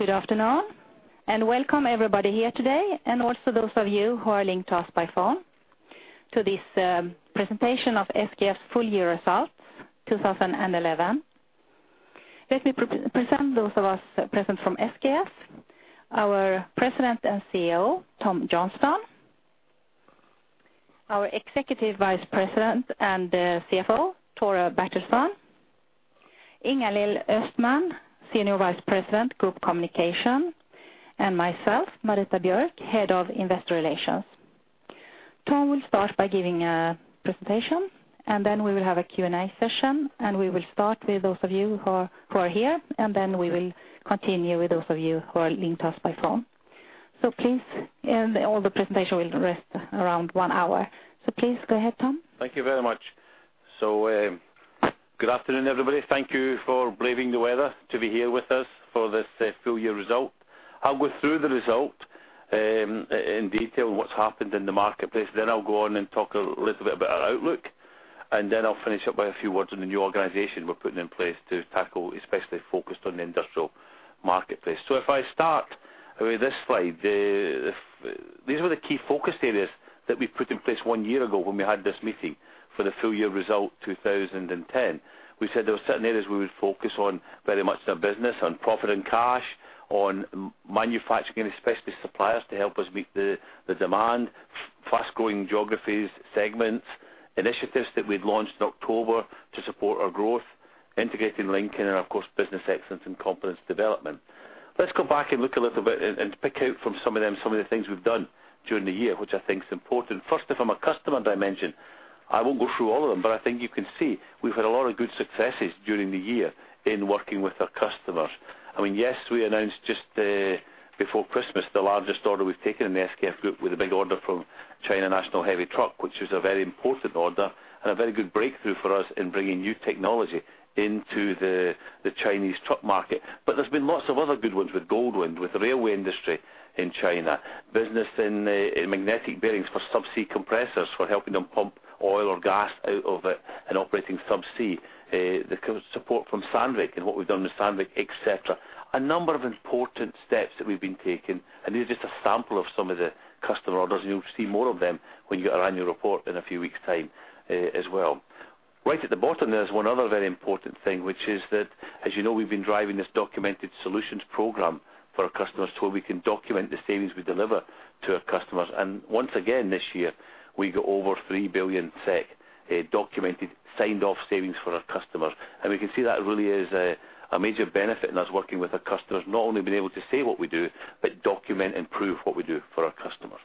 Good afternoon, and welcome everybody here today, and also those of you who are linked to us by phone to this presentation of SKF's full year results, 2011. Let me present those of us present from SKF, our President and CEO, Tom Johnstone, our Executive Vice President and CFO, Tore Bertilsson, Ingalill Östman, Senior Vice President, Group Communications, and myself, Marita Björk, Head of Investor Relations. Tom will start by giving a presentation, and then we will have a Q&A session, and we will start with those of you who are here, and then we will continue with those of you who are linked to us by phone. So please, and all the presentation will last around one hour. So please, go ahead, Tom. Thank you very much. So, good afternoon, everybody. Thank you for braving the weather to be here with us for this, full year result. I'll go through the result, in detail, what's happened in the marketplace. Then I'll go on and talk a little bit about our outlook, and then I'll finish up by a few words on the new organization we're putting in place to tackle, especially focused on the industrial marketplace. So if I start with this slide, these were the key focus areas that we put in place one year ago when we had this meeting for the full year result, 2010. We said there were certain areas we would focus on very much in our business, on profit and cash, on manufacturing, especially suppliers, to help us meet the demand. Fast-growing geographies, segments, initiatives that we'd launched in October to support our growth, integrating Lincoln, and of course, Business Excellence and competence development. Let's go back and look a little bit and, and pick out from some of them, some of the things we've done during the year, which I think is important. First, from a customer dimension, I won't go through all of them, but I think you can see we've had a lot of good successes during the year in working with our customers. I mean, yes, we announced just before Christmas, the largest order we've taken in the SKF Group, with a big order from China National Heavy Truck, which is a very important order and a very good breakthrough for us in bringing new technology into the, the Chinese truck market. But there's been lots of other good ones with Goldwind, with the railway industry in China. Business in, in magnetic bearings for subsea compressors, for helping them pump oil or gas out of it and operating subsea. The support from Sandvik and what we've done with Sandvik, et cetera. A number of important steps that we've been taking, and this is just a sample of some of the customer orders, and you'll see more of them when you get our annual report in a few weeks time, as well. Right at the bottom, there's one other very important thing, which is that, as you know, we've been driving this documented solutions program for our customers, so we can document the savings we deliver to our customers. And once again, this year, we got over 3 billion SEK, documented, signed off savings for our customers. We can see that really is a major benefit in us working with our customers. Not only being able to say what we do, but document and prove what we do for our customers.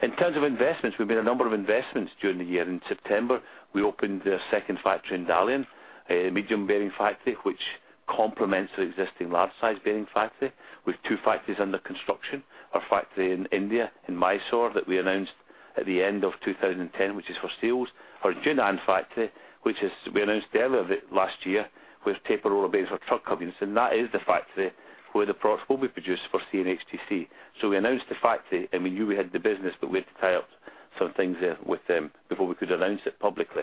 In terms of investments, we've made a number of investments during the year. In September, we opened a second factory in Dalian, a medium bearing factory, which complements our existing large size bearing factory with two factories under construction. Our factory in India, in Mysore, that we announced at the end of 2010, which is for sales. Our Jinan factory, which we announced earlier last year, with taper roller bearings for truck components, and that is the factory where the products will be produced for CNHTC. So we announced the factory, and we knew we had the business, but we had to tie up some things there with them before we could announce it publicly.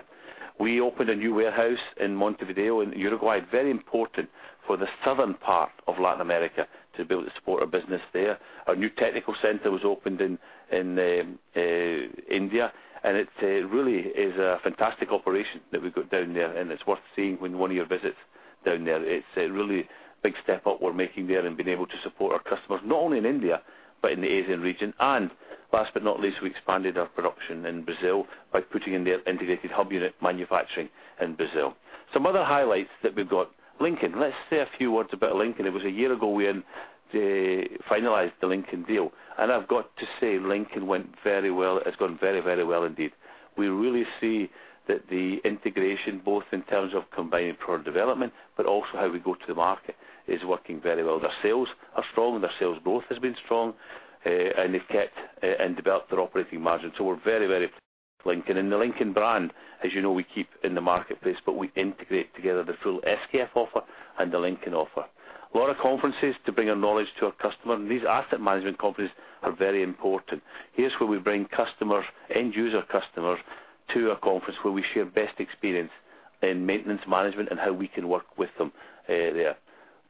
We opened a new warehouse in Montevideo, in Uruguay. Very important for the southern part of Latin America to be able to support our business there. Our new technical center was opened in India, and it really is a fantastic operation that we've got down there, and it's worth seeing when one of you visits down there. It's a really big step up we're making there and being able to support our customers, not only in India, but in the Asian region. And last but not least, we expanded our production in Brazil by putting in the integrated hub unit manufacturing in Brazil. Some other highlights that we've got, Lincoln. Let's say a few words about Lincoln. It was a year ago, we finalized the Lincoln deal, and I've got to say Lincoln went very well, has gone very, very well indeed. We really see that the integration, both in terms of combining product development but also how we go to the market, is working very well. Their sales are strong, and their sales growth has been strong, and they've kept and developed their operating margin. So we're very, very Lincoln. And the Lincoln brand, as you know, we keep in the marketplace, but we integrate together the full SKF offer and the Lincoln offer. A lot of conferences to bring our knowledge to our customer, and these asset management companies are very important. Here's where we bring customers, end user customers, to our conference, where we share best experience in maintenance, management, and how we can work with them, there.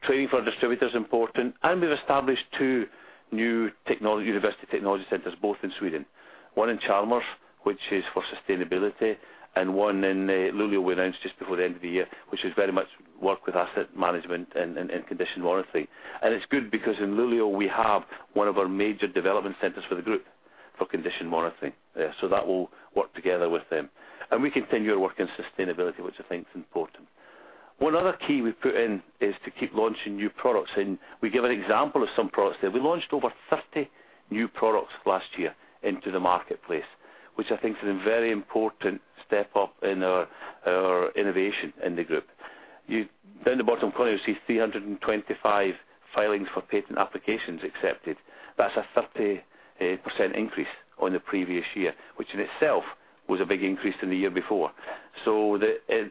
Training for our distributor is important, and we've established two new university technology centers, both in Sweden. One in Chalmers, which is for sustainability, and one in Luleå, we announced just before the end of the year, which is very much work with asset management and condition monitoring. It's good because in Luleå, we have one of our major development centers for the group, for condition monitoring. So that will work together with them. We continue our work in sustainability, which I think is important. One other key we put in is to keep launching new products, and we give an example of some products there. We launched over 30 new products last year into the marketplace, which I think is a very important step up in our innovation in the group. Down the bottom corner, you'll see 325 filings for patent applications accepted. That's a 30% increase on the previous year, which in itself was a big increase from the year before. So the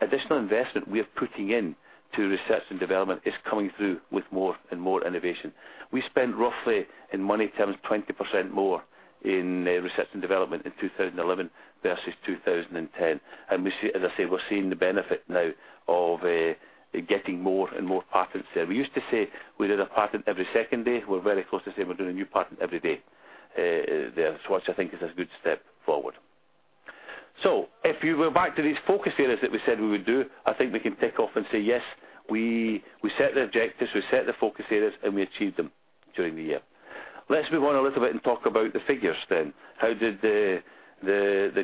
additional investment we are putting in to research and development is coming through with more and more innovation. We spent roughly, in money terms, 20% more in research and development in 2011 versus 2010. And we see, as I say, we're seeing the benefit now of getting more and more patents there. We used to say we did a patent every second day. We're very close to saying we're doing a new patent every day there. So which I think is a good step forward. So if you go back to these focus areas that we said we would do, I think we can tick off and say, yes, we set the objectives, we set the focus areas, and we achieved them during the year. Let's move on a little bit and talk about the figures then. How did the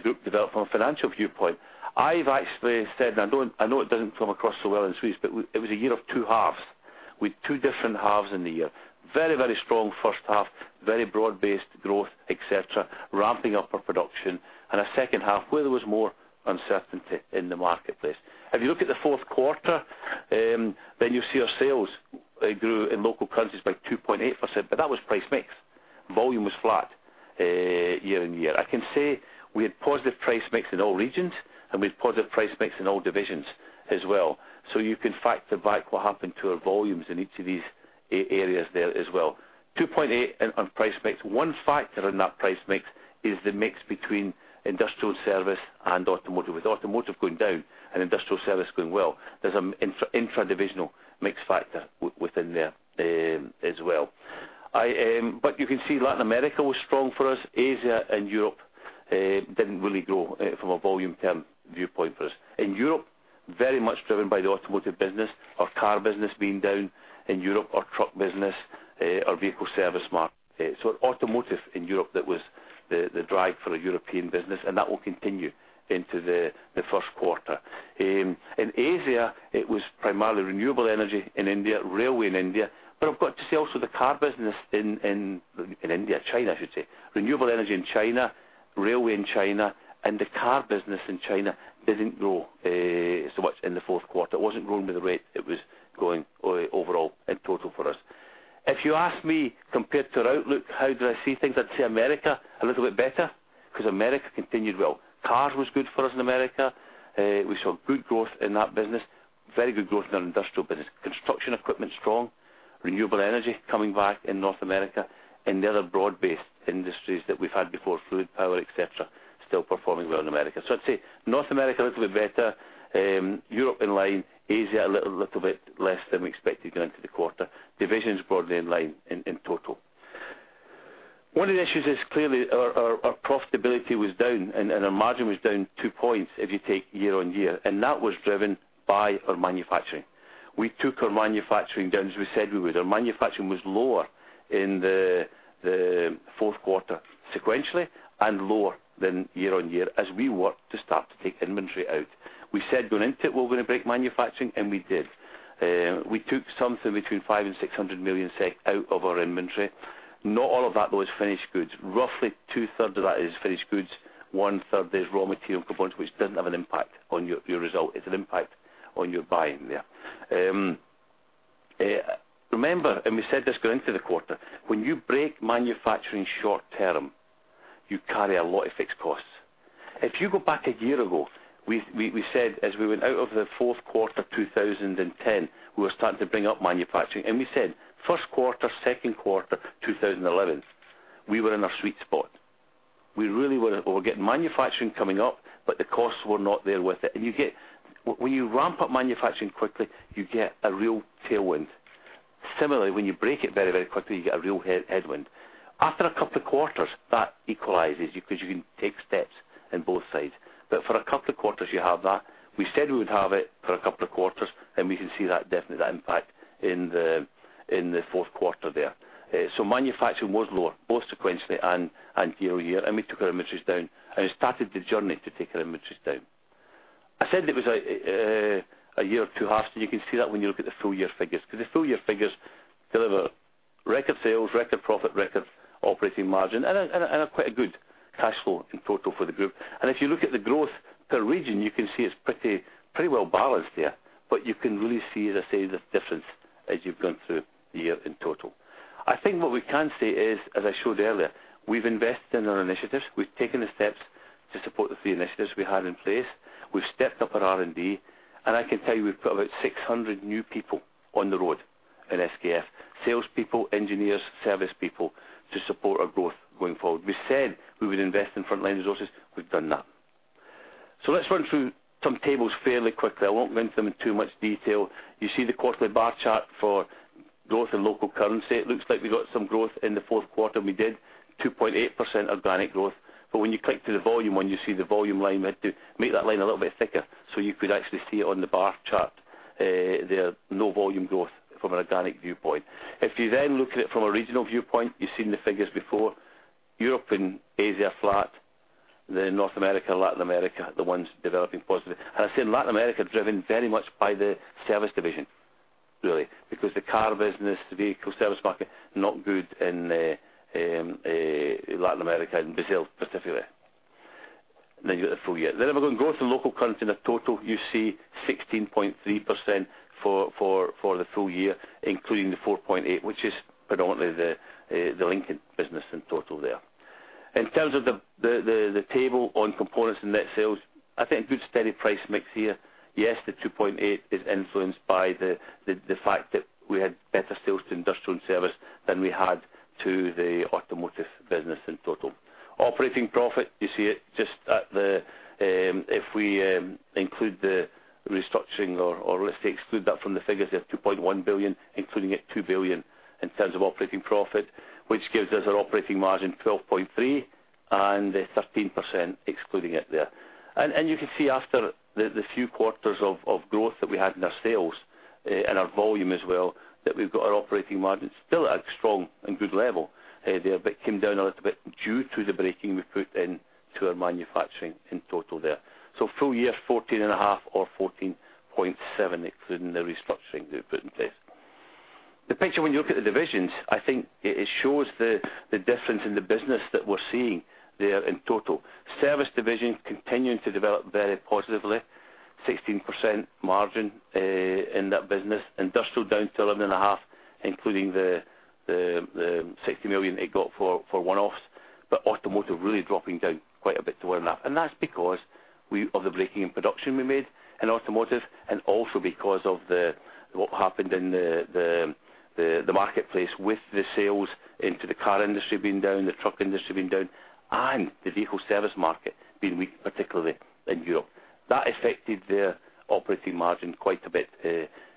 group develop from a financial viewpoint? I've actually said, and I don't—I know it doesn't come across so well in the slides, but it was a year of two halves, with two different halves in the year. Very, very strong first half, very broad-based growth, et cetera, ramping up our production, and a second half, where there was more uncertainty in the marketplace. If you look at the fourth quarter, then you see our sales grew in local currencies by 2.8%, but that was price mix. Volume was flat year-on-year. I can say we had positive price mix in all regions, and we had positive price mix in all divisions as well. So you can factor back what happened to our volumes in each of these areas there as well. 2.8 on price mix. One factor in that price mix is the mix between industrial service and automotive. With automotive going down and industrial service going well, there's an intra-divisional mix factor within there as well. But you can see Latin America was strong for us. Asia and Europe didn't really grow from a volume term viewpoint for us. In Europe, very much driven by the Automotive Business, our Car Business being down in Europe, our Truck Business, our vehicle service market. So automotive in Europe, that was the drive for the European Business, and that will continue into the first quarter. In Asia, it was primarily renewable energy in India, railway in India, but I've got to say also, the car business in India, China, I should say. Renewable Energy in China, railway in China, and the car business in China didn't grow so much in the fourth quarter. It wasn't growing with the rate it was growing overall in total for us. If you ask me, compared to our outlook, how do I see things? I'd say America, a little bit better, because America continued well. Car was good for us in America. We saw good growth in that business, very good growth in our industrial business. Construction equipment, strong, renewable energy coming back in North America, and the other broad-based industries that we've had before, fluid power, et cetera, still performing well in America. So I'd say North America, a little bit better, Europe in line, Asia, a little bit less than we expected going into the quarter. Divisions broadly in line in total. One of the issues is clearly our profitability was down and our margin was down two points if you take year-on-year, and that was driven by our manufacturing. We took our manufacturing down as we said we would. Our manufacturing was lower in the fourth quarter, sequentially and lower than year-on-year as we worked to start to take inventory out. We said going into it, we're going to break manufacturing, and we did. We took something between 500 million-600 million SEK out of our inventory. Not all of that, though, is finished goods. Roughly two-thirds of that is finished goods. One-third is raw material components, which doesn't have an impact on your result. It's an impact on your buying there. Remember, we said this going into the quarter, when you break manufacturing short term, you carry a lot of fixed costs. If you go back a year ago, we said as we went out of the fourth quarter, 2010, we were starting to bring up manufacturing, and we said, first quarter, second quarter, 2011, we were in our sweet spot. We really were. We were getting manufacturing coming up, but the costs were not there with it. And when you ramp up manufacturing quickly, you get a real tailwind. Similarly, when you break it very, very quickly, you get a real headwind. After a couple of quarters, that equalizes, because you can take steps in both sides. But for a couple of quarters, you have that. We said we would have it for a couple of quarters, and we can see that, definitely that impact in the fourth quarter there. So manufacturing was lower, both sequentially and year on year, and we took our inventories down and started the journey to take our inventories down. I said it was a year of two halves, and you can see that when you look at the full year figures, because the full year figures deliver record sales, record profit, record operating margin, and quite a good cash flow in total for the group. And if you look at the growth per region, you can see it's pretty well balanced there, but you can really see, as I say, the difference as you've gone through the year in total. I think what we can say is, as I showed earlier, we've invested in our initiatives. We've taken the steps to support the three initiatives we have in place. We've stepped up our R&D, and I can tell you, we've put about 600 new people on the road in SKF, salespeople, engineers, service people, to support our growth going forward. We said we would invest in frontline resources. We've done that. So let's run through some tables fairly quickly. I won't go into them in too much detail. You see the quarterly bar chart for growth in local currency. It looks like we got some growth in the fourth quarter, and we did 2.8% organic growth. But when you click to the volume one, you see the volume line. We had to make that line a little bit thicker, so you could actually see it on the bar chart. There, no volume growth from an organic viewpoint. If you then look at it from a regional viewpoint, you've seen the figures before. Europe and Asia are flat, then North America, Latin America, the ones developing positive. I say in Latin America, driven very much by the Service Division, really, because the Car Business, the vehicle service market, not good in Latin America and Brazil specifically. You got the full year. If we're going growth to local currency in a total, you see 16.3% for the full year, including the 4.8, which is predominantly the Lincoln Business in total there. In terms of the table on components and net sales, I think good steady price mix here. Yes, the 2.8 is influenced by the fact that we had better sales to industrial and service than we had to the Automotive Business in total. Operating profit, you see it just at the, if we include the restructuring or let's exclude that from the figures, they have 2.1 billion, including it 2 billion in terms of operating profit, which gives us our operating margin 12.3% and 13%, excluding it there. And you can see after the few quarters of growth that we had in our sales and our volume as well, that we've got our operating margin still at strong and good level there, but came down a little bit due to the breaking we put into our manufacturing in total there. So full year, 14.5 or 14.7, excluding the restructuring we put in place. The picture, when you look at the divisions, I think it, it shows the, the difference in the business that we're seeing there in total. Service Division continuing to develop very positively, 16% margin, in that business. Industrial, down to 11.5, including the, the, the 60 million it got for, for one-offs, but automotive really dropping down quite a bit to 1.5. And that's because we of the breaking in production we made in automotive, and also because of the, the, the, the marketplace with the sales into the car industry being down, the truck industry being down, and the vehicle service market being weak, particularly in Europe. That affected their operating margin quite a bit,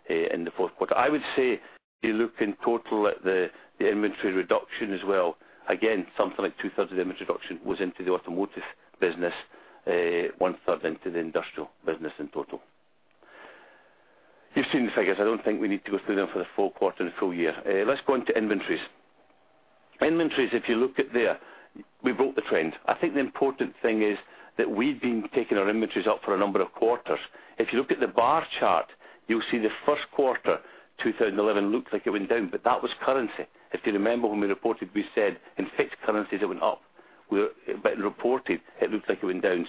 in the fourth quarter. I would say, if you look in total at the inventory reduction as well, again, something like two-thirds of the inventory reduction was into the Automotive Business, one-third into the industrial business in total. You've seen the figures. I don't think we need to go through them for the full quarter and full year. Let's go on to inventories. Inventories, if you look at there, we broke the trend. I think the important thing is that we've been taking our inventories up for a number of quarters. If you look at the bar chart, you'll see the first quarter, 2011, looked like it went down, but that was currency. If you remember when we reported, we said in fixed currencies, it went up. We're, but in reported, it looked like it went down.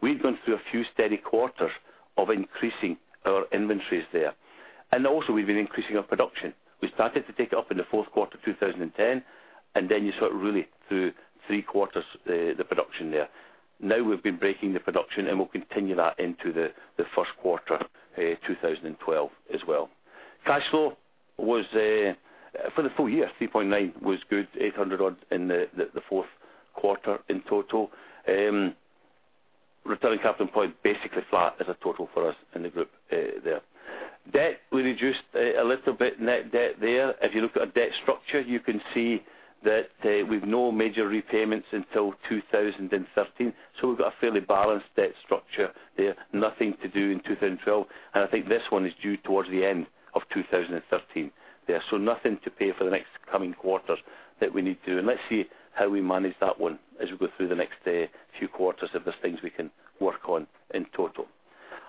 We've gone through a few steady quarters of increasing our inventories there. Also we've been increasing our production. We started to take it up in the fourth quarter of 2010, and then you saw it really through three quarters, the production there. Now we've been breaking the production, and we'll continue that into the first quarter 2012 as well. Cash flow was for the full year 3.9, which was good, 800-odd in the fourth quarter in total. Returning capital point, basically flat as a total for us in the group, there. Debt, we reduced a little bit net debt there. If you look at a debt structure, you can see that, we've no major repayments until 2013, so we've got a fairly balanced debt structure there. Nothing to do in 2012, and I think this one is due towards the end of 2013. There, so nothing to pay for the next coming quarters that we need to do. Let's see how we manage that one as we go through the next few quarters of the things we can work on in total.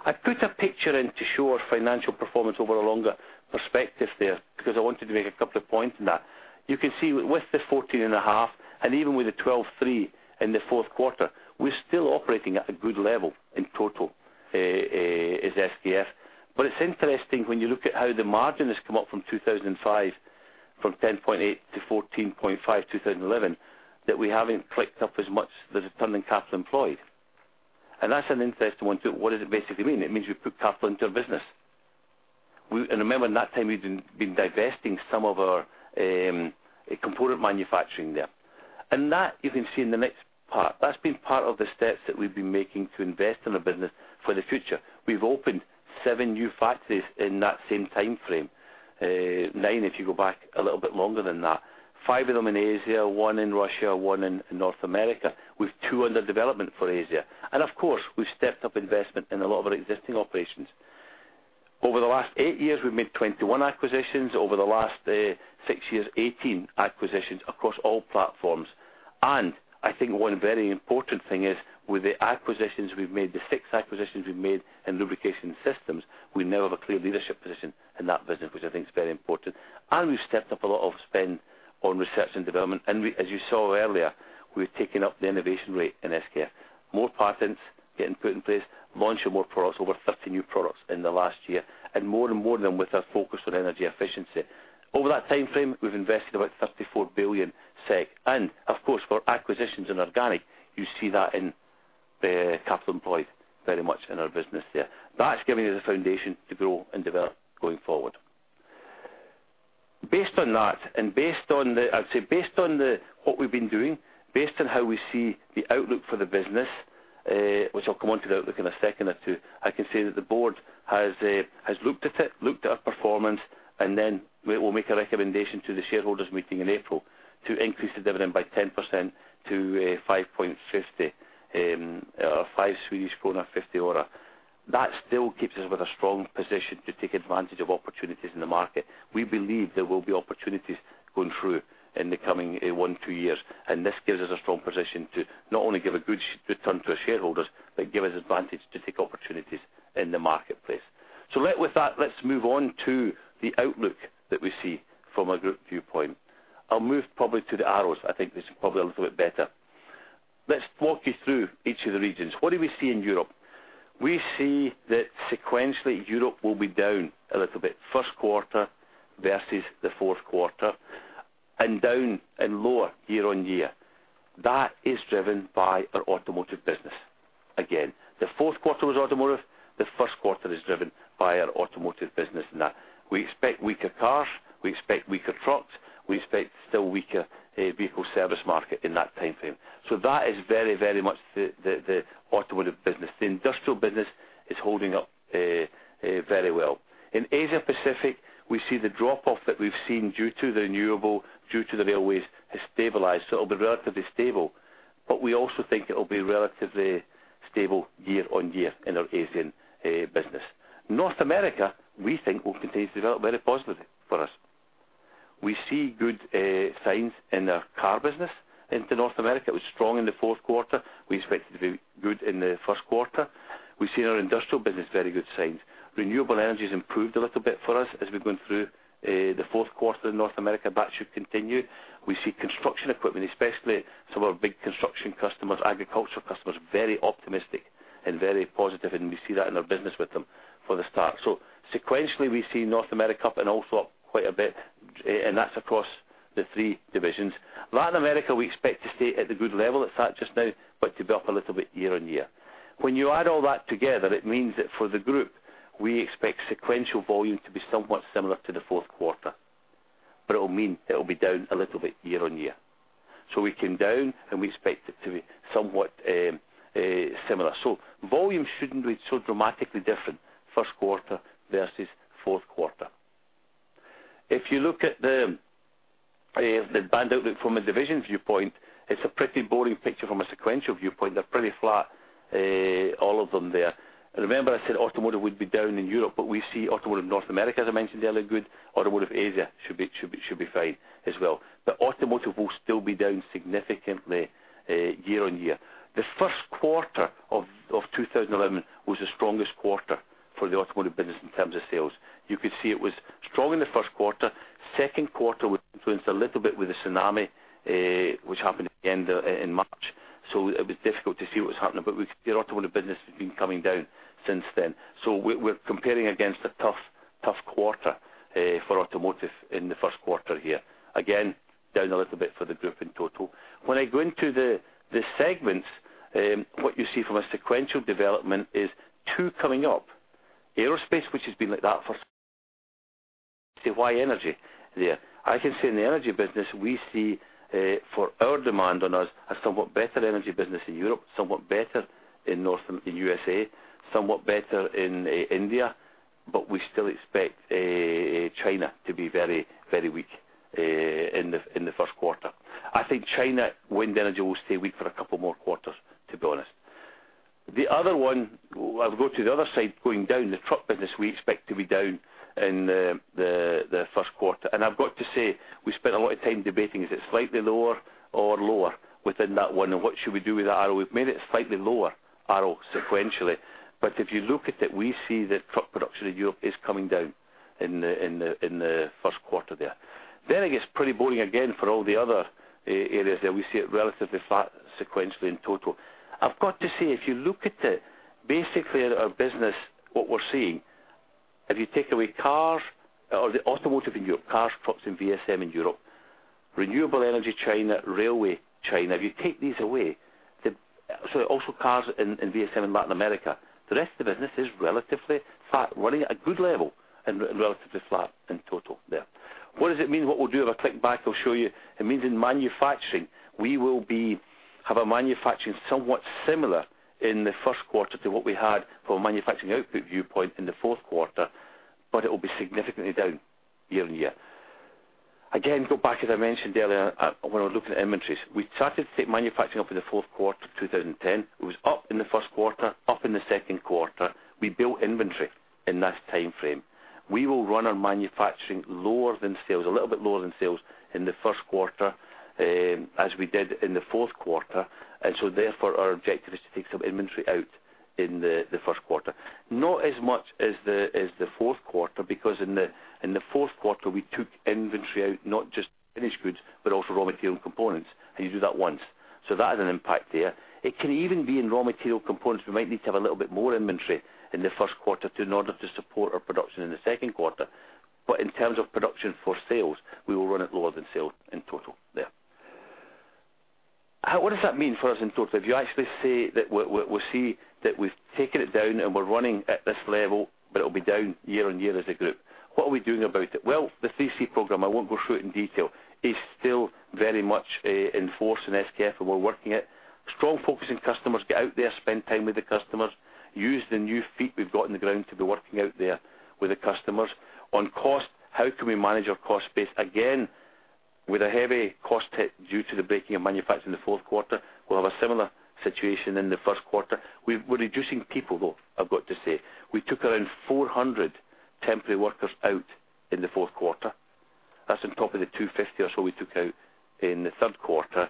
I put a picture in to show our financial performance over a longer perspective there, because I wanted to make a couple of points on that. You can see with the 14.5%, and even with the 12.3% in the fourth quarter, we're still operating at a good level in total, as SKF. But it's interesting when you look at how the margin has come up from 2005, from 10.8% to 14.5%, 2011, that we haven't clicked up as much the return on capital employed. That's an interesting one, too. What does it basically mean? It means we put capital into our business. We, and remember, in that time, we've been divesting some of our component manufacturing there. And that you can see in the next part, that's been part of the steps that we've been making to invest in the business for the future. We've opened seven new factories in that same timeframe, nine, if you go back a little bit longer than that. Five of them in Asia, one in Russia, one in North America, with two under development for Asia. And of course, we've stepped up investment in a lot of our existing operations. Over the last eight years, we've made 21 acquisitions. Over the last six years, 18 acquisitions across all platforms. And I think one very important thing is with the acquisitions we've made, the six acquisitions we've made in lubrication systems, we now have a clear leadership position in that business, which I think is very important. And we've stepped up a lot of spend on research and development, and we, as you saw earlier, we've taken up the innovation rate in SKF. More patents getting put in place, launching more products, over 30 new products in the last year, and more and more of them with a focus on energy efficiency. Over that timeframe, we've invested about 34 billion SEK, and of course, for acquisitions in organic, you see that in the capital employed very much in our business there. That's giving us a foundation to grow and develop going forward. Based on that, and based on the I'd say, based on the, what we've been doing, based on how we see the outlook for the business, which I'll come on to the outlook in a second or two, I can say that the board has, has looked at it, looked at our performance, and then we will make a recommendation to the shareholders meeting in April to increase the dividend by 10% to, 5.50, five Swedish krona, 50 öre. That still keeps us with a strong position to take advantage of opportunities in the market. We believe there will be opportunities going through in the coming one-two years, and this gives us a strong position to not only give a good return to our shareholders, but give us advantage to take opportunities in the marketplace. So, with that, let's move on to the outlook that we see from a group viewpoint. I'll move probably to the arrows. I think this is probably a little bit better. Let's walk you through each of the regions. What do we see in Europe? We see that sequentially, Europe will be down a little bit. First quarter versus the fourth quarter, and down and lower year-on-year. That is driven by our Automotive Business. Again, the fourth quarter was automotive. The first quarter is driven by our Automotive Business, and that we expect weaker cars, we expect weaker trucks, we expect still weaker, vehicle service market in that time frame. So that is very, very much the, the, the Automotive Business. The industrial business is holding up, very well. In Asia Pacific, we see the drop-off that we've seen due to the renewable, due to the Railways, has stabilized, so it'll be relatively stable, but we also think it'll be relatively stable year-on-year in our Asian, business. North America, we think, will continue to develop very positively for us. We see good, signs in our car business into North America. It was strong in the fourth quarter. We expect it to be good in the first quarter. We see in our industrial business very good signs. Renewable Energy has improved a little bit for us as we're going through the fourth quarter in North America. That should continue. We see construction equipment, especially some of our big construction customers, agricultural customers, very optimistic and very positive, and we see that in our business with them for the start. So sequentially, we see North America up and also up quite a bit, and that's across the three divisions. Latin America, we expect to stay at the good level it's at just now, but to be up a little bit year-on-year. When you add all that together, it means that for the group, we expect sequential volume to be somewhat similar to the fourth quarter, but it'll mean it'll be down a little bit year-on-year. So we came down, and we expect it to be somewhat similar. So volume shouldn't be so dramatically different, first quarter versus fourth quarter. If you look at the band outlook from a division viewpoint, it's a pretty boring picture from a sequential viewpoint. They're pretty flat, all of them there. And remember, I said automotive would be down in Europe, but we see automotive North America, as I mentioned earlier, good. Automotive Asia should be, should be, should be fine as well. But automotive will still be down significantly, year-on-year. The first quarter of 2011 was the strongest quarter for the Automotive Business in terms of sales. You could see it was strong in the first quarter. Second quarter was influenced a little bit with the tsunami, which happened at the end in March, so it was difficult to see what was happening, but the Automotive Business has been coming down since then. So we're comparing against a tough, tough quarter for automotive in the first quarter here. Again, down a little bit for the group in total. When I go into the segments, what you see from a sequential development is two coming up. Aerospace, which has been like that for... Say, why energy there? I can say in the Energy Business, we see for our demand on us a somewhat better energy business in Europe, somewhat better in North-- in USA, somewhat better in India, but we still expect China to be very, very weak in the first quarter. I think China, wind energy will stay weak for a couple more quarters, to be honest. The other one, I'll go to the other side, going down, the Truck Business, we expect to be down in the first quarter. And I've got to say, we spent a lot of time debating, is it slightly lower or lower within that one, and what should we do with that arrow? We've made it slightly lower, arrow sequentially. But if you look at it, we see that truck production in Europe is coming down in the first quarter there. Then it gets pretty boring again for all the other areas there. We see it relatively flat, sequentially in total. I've got to say, if you look at it, basically, our business, what we're seeing, if you take away cars or the automotive in Europe, cars, trucks, and VSM in Europe, renewable energy, China, railway, China, if you take these away, so also cars in, in VSM in Latin America, the rest of the business is relatively flat, running at a good level and relatively flat in total there. What does it mean? What we'll do, if I click back, I'll show you. It means in manufacturing, we will be, have a manufacturing somewhat similar in the first quarter to what we had from a manufacturing output viewpoint in the fourth quarter, but it will be significantly down year-on-year. Again, go back, as I mentioned earlier, when I was looking at inventories, we started to take manufacturing up in the fourth quarter of 2010. It was up in the first quarter, up in the second quarter. We built inventory in that time frame. We will run our manufacturing lower than sales, a little bit lower than sales in the first quarter, as we did in the fourth quarter. And so therefore, our objective is to take some inventory out in the first quarter. Not as much as the fourth quarter, because in the fourth quarter, we took inventory out, not just finished goods, but also raw material components, and you do that once. So that has an impact there. It can even be in raw material components. We might need to have a little bit more inventory in the first quarter in order to support our production in the second quarter. But in terms of production for sales, we will run it lower than sales in total there. What does that mean for us in total? If you actually say that we'll see that we've taken it down and we're running at this level, but it'll be down year-on-year as a group. What are we doing about it? Well, the 3C Program, I won't go through it in detail, is still very much in force in SKF, and we're working it. Strong focus in customers, get out there, spend time with the customers, use the new feet we've got in the ground to be working out there with the customers. On cost, how can we manage our cost base? Again, with a heavy cost hit due to the breaking of manufacturing in the fourth quarter, we'll have a similar situation in the first quarter. We're reducing people, though, I've got to say. We took around 400 temporary workers out in the fourth quarter. That's on top of the 250 or so we took out in the third quarter.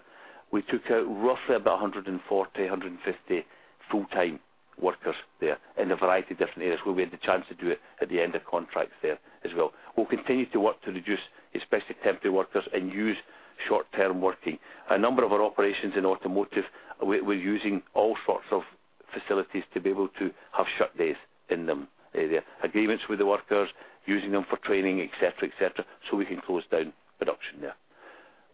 We took out roughly about 140, 150 full-time workers there in a variety of different areas, where we had the chance to do it at the end of contracts there as well. We'll continue to work to reduce, especially temporary workers, and use short-term working. A number of our operations in automotive, we're using all sorts of facilities to be able to have short days in them. They have agreements with the workers, using them for training, et cetera, et cetera, so we can close down production there.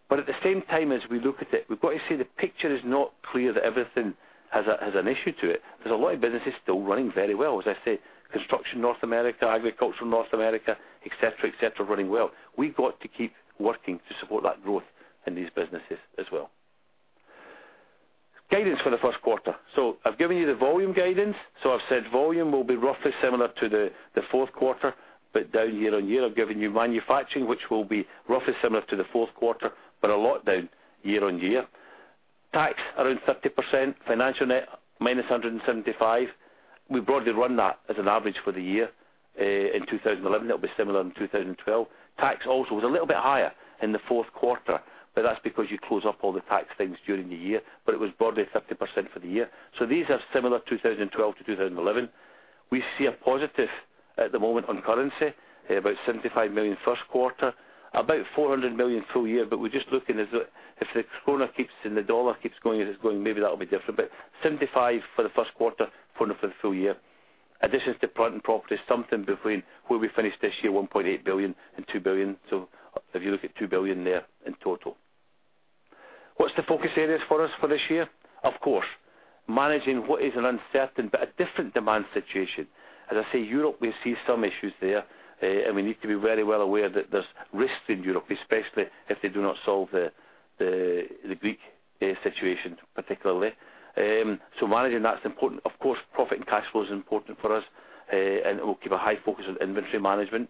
But at the same time, as we look at it, we've got to see the picture is not clear, that everything has an issue to it. There's a lot of businesses still running very well. As I said, construction North America, agricultural North America, et cetera, et cetera, running well. We've got to keep working to support that growth in these businesses as well. Guidance for the first quarter. So I've given you the volume guidance, so I've said volume will be roughly similar to the fourth quarter, but down year on year. I've given you manufacturing, which will be roughly similar to the fourth quarter, but a lot down year-on-year. Tax, around 30%, financial net, -175. We broadly run that as an average for the year. In 2011, that will be similar in 2012. Tax also was a little bit higher in the fourth quarter, but that's because you close up all the tax things during the year, but it was broadly 30% for the year. So these are similar, 2012 to 2011. We see a positive at the moment on currency, about 75 million first quarter, about 400 million full year. But we're just looking as the -- if the krona keeps and the dollar keeps going, as it's going, maybe that will be different, but 75 million for the first quarter, 400 million for the full year. Addition to plant and property, something between where we finished this year, 1.8 billion-2 billion. So if you look at 2 billion there in total. What's the focus areas for us for this year? Of course, managing what is an uncertain but a different demand situation. As I say, Europe, we see some issues there, and we need to be very well aware that there's risks in Europe, especially if they do not solve the Greek situation, particularly. So managing that's important. Of course, profit and cash flow is important for us, and we'll keep a high focus on inventory management.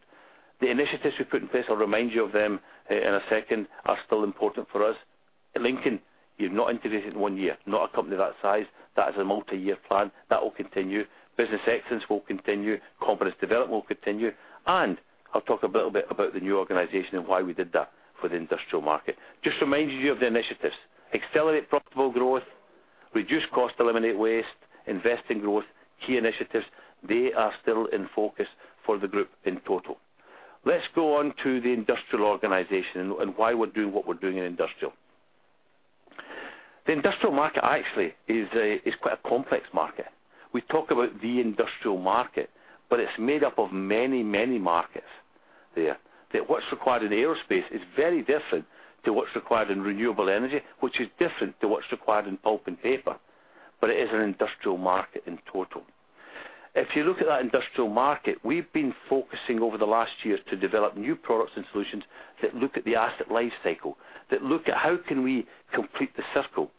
The initiatives we put in place, I'll remind you of them in a second, are still important for us. At Lincoln, you've not integrated in one year, not a company that size. That is a multi-year plan. That will continue. Business excellence will continue, competence development will continue, and I'll talk a little bit about the new organization and why we did that for the industrial market. Just remind you of the initiatives, accelerate profitable growth, reduce cost, eliminate waste, invest in growth, key initiatives, they are still in focus for the group in total. Let's go on to the industrial organization and why we're doing what we're doing in industrial. The industrial market actually is quite a complex market. We talk about the industrial market, but it's made up of many, many markets there. That what's required in aerospace is very different to what's required in renewable energy, which is different to what's required in pulp and paper. But it is an industrial market in total. If you look at that industrial market, we've been focusing over the last years to develop new products and solutions that look at the asset life cycle, that look at how can we complete the circle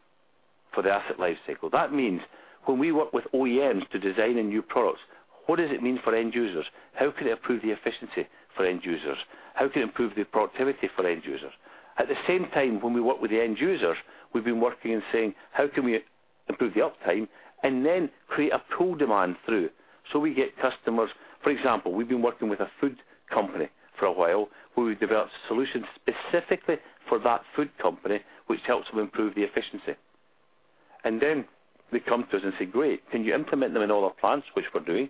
for the asset life cycle. That means when we work with OEMs to design a new products, what does it mean for end users? How can they improve the efficiency for end users? How to improve the productivity for end users? At the same time, when we work with the end users, we've been working and saying: How can we improve the uptime and then create a pull demand through? So we get customers... For example, we've been working with a food company for a while, where we developed solutions specifically for that food company, which helps them improve the efficiency. And then they come to us and say, "Great, can you implement them in all our plants?" Which we're doing.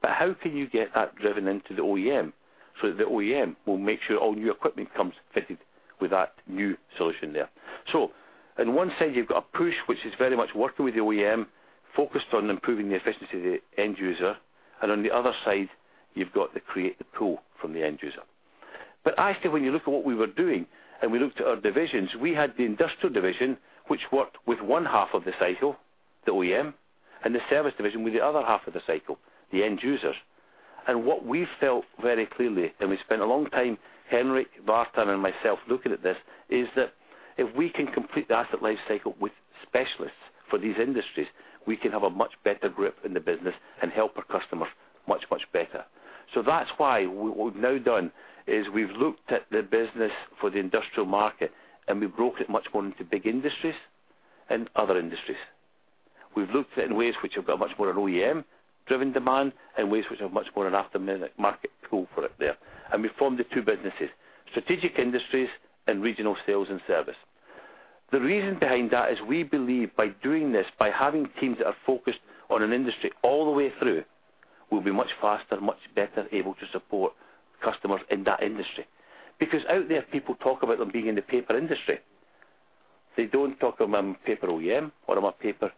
But how can you get that driven into the OEM, so the OEM will make sure all new equipment comes fitted with that new solution there. So on one side, you've got a push, which is very much working with the OEM, focused on improving the efficiency of the end user, and on the other side, you've got to create the pull from the end user. But actually, when you look at what we were doing, and we looked at our divisions, we had the Industrial Division, which worked with one half of the cycle, the OEM, and the Service Division with the other half of the cycle, the end users. And what we felt very clearly, and we spent a long time, Henrik Lange and myself, looking at this, is that if we can complete the asset life cycle with specialists for these industries, we can have a much better grip in the business and help our customers much, much better. So that's why we, what we've now done is we've looked at the business for the industrial market, and we've broken it much more into big industries and other industries. We've looked at in ways which have got much more an OEM-driven demand and ways which are much more an aftermarket pull for it there. And we formed the two businesses, strategic industries and regional sales and service. The reason behind that is we believe by doing this, by having teams that are focused on an industry all the way through, we'll be much faster, much better able to support customers in that industry. Because out there, people talk about them being in the paper industry. They don't talk about paper OEM or about paper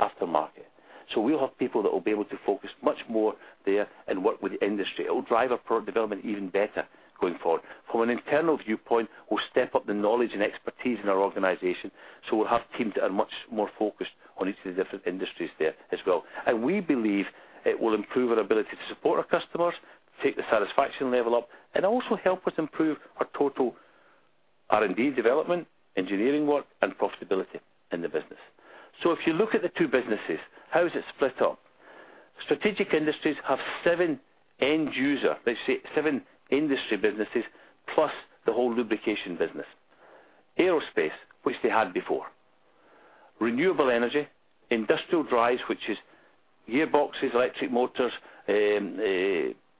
aftermarket. So we'll have people that will be able to focus much more there and work with the industry. It will drive our product development even better going forward. From an internal viewpoint, we'll step up the knowledge and expertise in our organization, so we'll have teams that are much more focused on each of the different industries there as well. We believe it will improve our ability to support our customers, take the satisfaction level up, and also help us improve our total R&D development, engineering work, and profitability in the business. If you look at the two businesses, how is it split up? Strategic Industries have seven end user, let's say seven industry businesses, plus the whole lubrication business. Aerospace, which they had before. Renewable Energy, Industrial Drives, which is gearboxes, electric motors,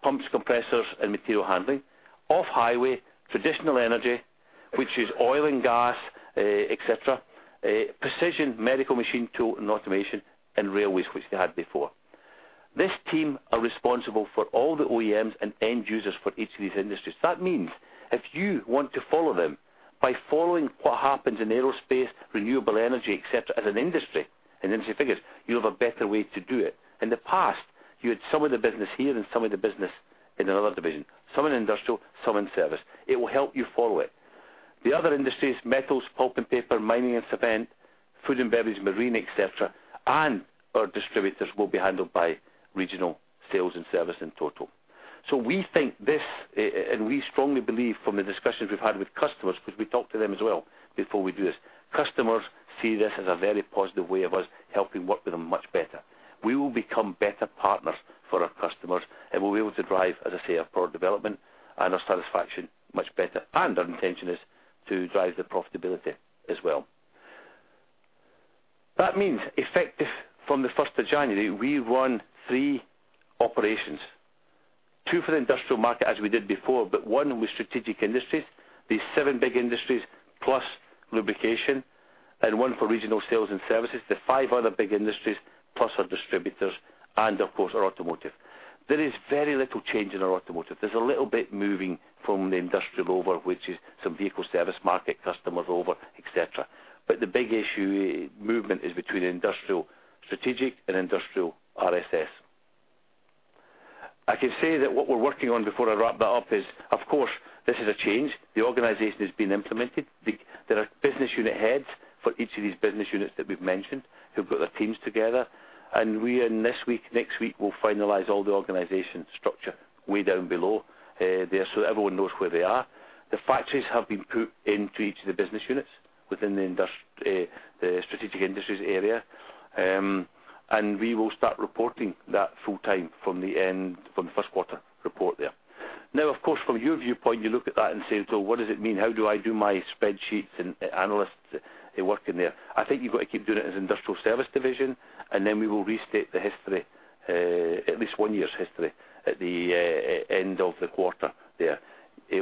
pumps, compressors, and material handling. Off-highway, Traditional Energy, which is oil and gas, et cetera, Precision medical machine tool and automation, and Railways, which they had before. This team are responsible for all the OEMs and end users for each of these industries. That means if you want to follow them, by following what happens in aerospace, renewable energy, et cetera, as an industry, and industry figures, you have a better way to do it. In the past, you had some of the business here and some of the business in another division, some in industrial, some in service. It will help you follow it. The other industries, metals, pulp and paper, mining and cement, food and beverage, marine, et cetera, and our distributors will be handled by regional sales and service in total. So we think this, and we strongly believe from the discussions we've had with customers, because we talked to them as well before we do this, customers see this as a very positive way of us helping work with them much better. We will become better partners for our customers, and we'll be able to drive, as I say, our product development and our satisfaction much better, and our intention is to drive the profitability as well. That means effective from the first of January, we run three operations, two for the Industrial Market as we did before, but one with Strategic Industries, these seven big industries, plus lubrication and one for Regional Sales and Services, the five other big industries, plus our distributors and of course, our Automotive. There is very little change in our Automotive. There's a little bit moving from the Industrial over, which is some Vehicle Service Market, customers over, et cetera. But the big issue movement is between Industrial, Strategic, and Industrial RSS. I can say that what we're working on before I wrap that up is, of course, this is a change. The organization has been implemented. There are business unit heads for each of these business units that we've mentioned, who've got their teams together, and we in this week, next week, will finalize all the organization structure way down below, there, so everyone knows where they are. The factories have been put into each of the business units within the industry, the strategic industries area, and we will start reporting that full time from the end, from the first quarter report there. Now, of course, from your viewpoint, you look at that and say, "So what does it mean? How do I do my spreadsheets and analysts working there?" I think you've got to keep doing it as industrial Service Division, and then we will restate the history, at least one year's history, at the end of the quarter there.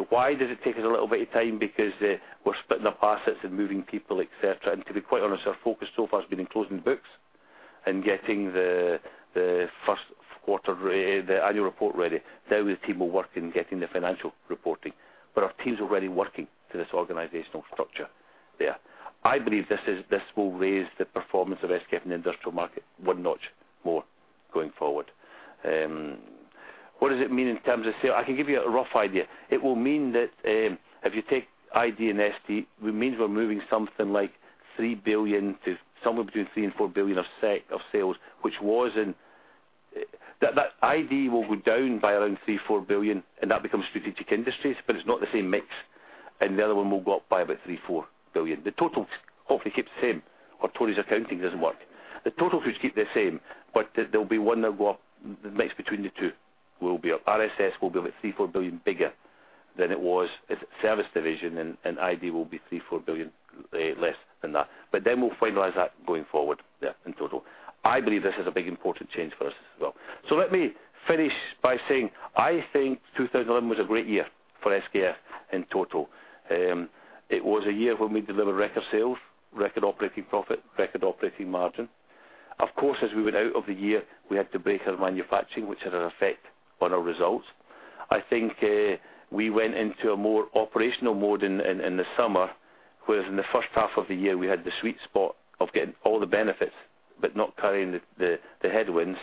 Why does it take us a little bit of time? Because we're splitting up assets and moving people, et cetera. And to be quite honest, our focus so far has been in closing books and getting the first quarter, the annual report ready. Now the team will work in getting the financial reporting, but our team's already working to this organizational structure there. I believe this is. This will raise the performance of SKF in the industrial market one notch more going forward. What does it mean in terms of sales? I can give you a rough idea. It will mean that if you take ID and SD, it means we're moving something like 3 billion to somewhere between 3 billion and 4 billion of net sales, which was in. That, that ID will go down by around 3-4 billion, and that becomes strategic industries, but it's not the same mix, and the other one will go up by about 3-4 billion. The total hopefully keeps the same, or Tore's accounting doesn't work. The total should keep the same, but there'll be one that go up, the mix between the two will be up. RSS will be about 3-4 billion bigger than it was as Service Division, and, and ID will be 3-4 billion less than that, but then we'll finalize that going forward, yeah, in total. I believe this is a big, important change for us as well. So let me finish by saying, I think 2011 was a great year for SKF in total. It was a year when we delivered record sales, record operating profit, record operating margin. Of course, as we went out of the year, we had to break our manufacturing, which had an effect on our results. I think, we went into a more operational mode in the summer, whereas in the first half of the year, we had the sweet spot of getting all the benefits, but not carrying the headwinds.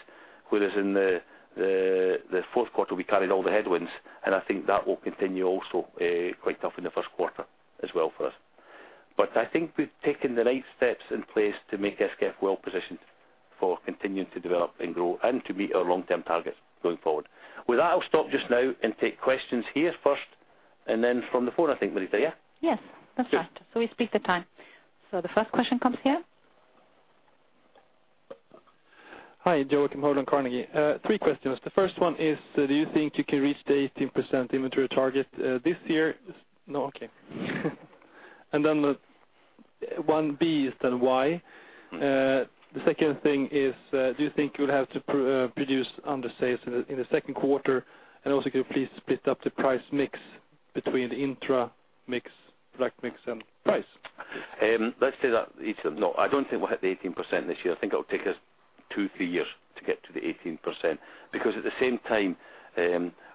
Whereas in the fourth quarter, we carried all the headwinds, and I think that will continue also, quite tough in the first quarter as well for us. But I think we've taken the right steps in place to make SKF well-positioned for continuing to develop and grow and to meet our long-term targets going forward. With that, I'll stop just now and take questions here first, and then from the phone, I think, Marita, yeah? Yes, that's right. Sure So we speak the time. So the first question comes here. Hi, Joakim Höglund Carnegie. Three questions. The first one is, do you think you can reach the 18% inventory target this year? No? Okay. And then the one B is then Y. The second thing is, do you think you'll have to produce under sales in the second quarter? And also, can you please split up the price mix between the intra mix, product mix, and price? Let's say that it's... No, I don't think we'll hit the 18% this year. I think it will take us two, three years to get to the 18%, because at the same time,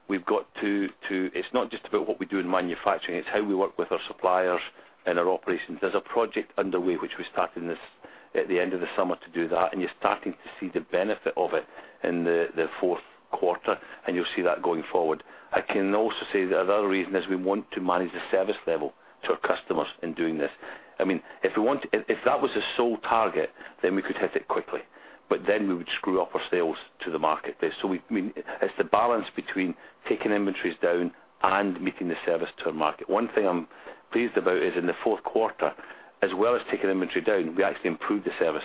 we've got to. It's not just about what we do in manufacturing, it's how we work with our suppliers and our operations. There's a project underway, which we started this at the end of the summer to do that, and you're starting to see the benefit of it in the fourth quarter, and you'll see that going forward. I can also say that another reason is we want to manage the service level to our customers in doing this. I mean, if we want. If that was the sole target, then we could hit it quickly, but then we would screw up our sales to the market. So we, I mean, it's the balance between taking inventories down and meeting the service to our market. One thing I'm pleased about is in the fourth quarter, as well as taking inventory down, we actually improved the service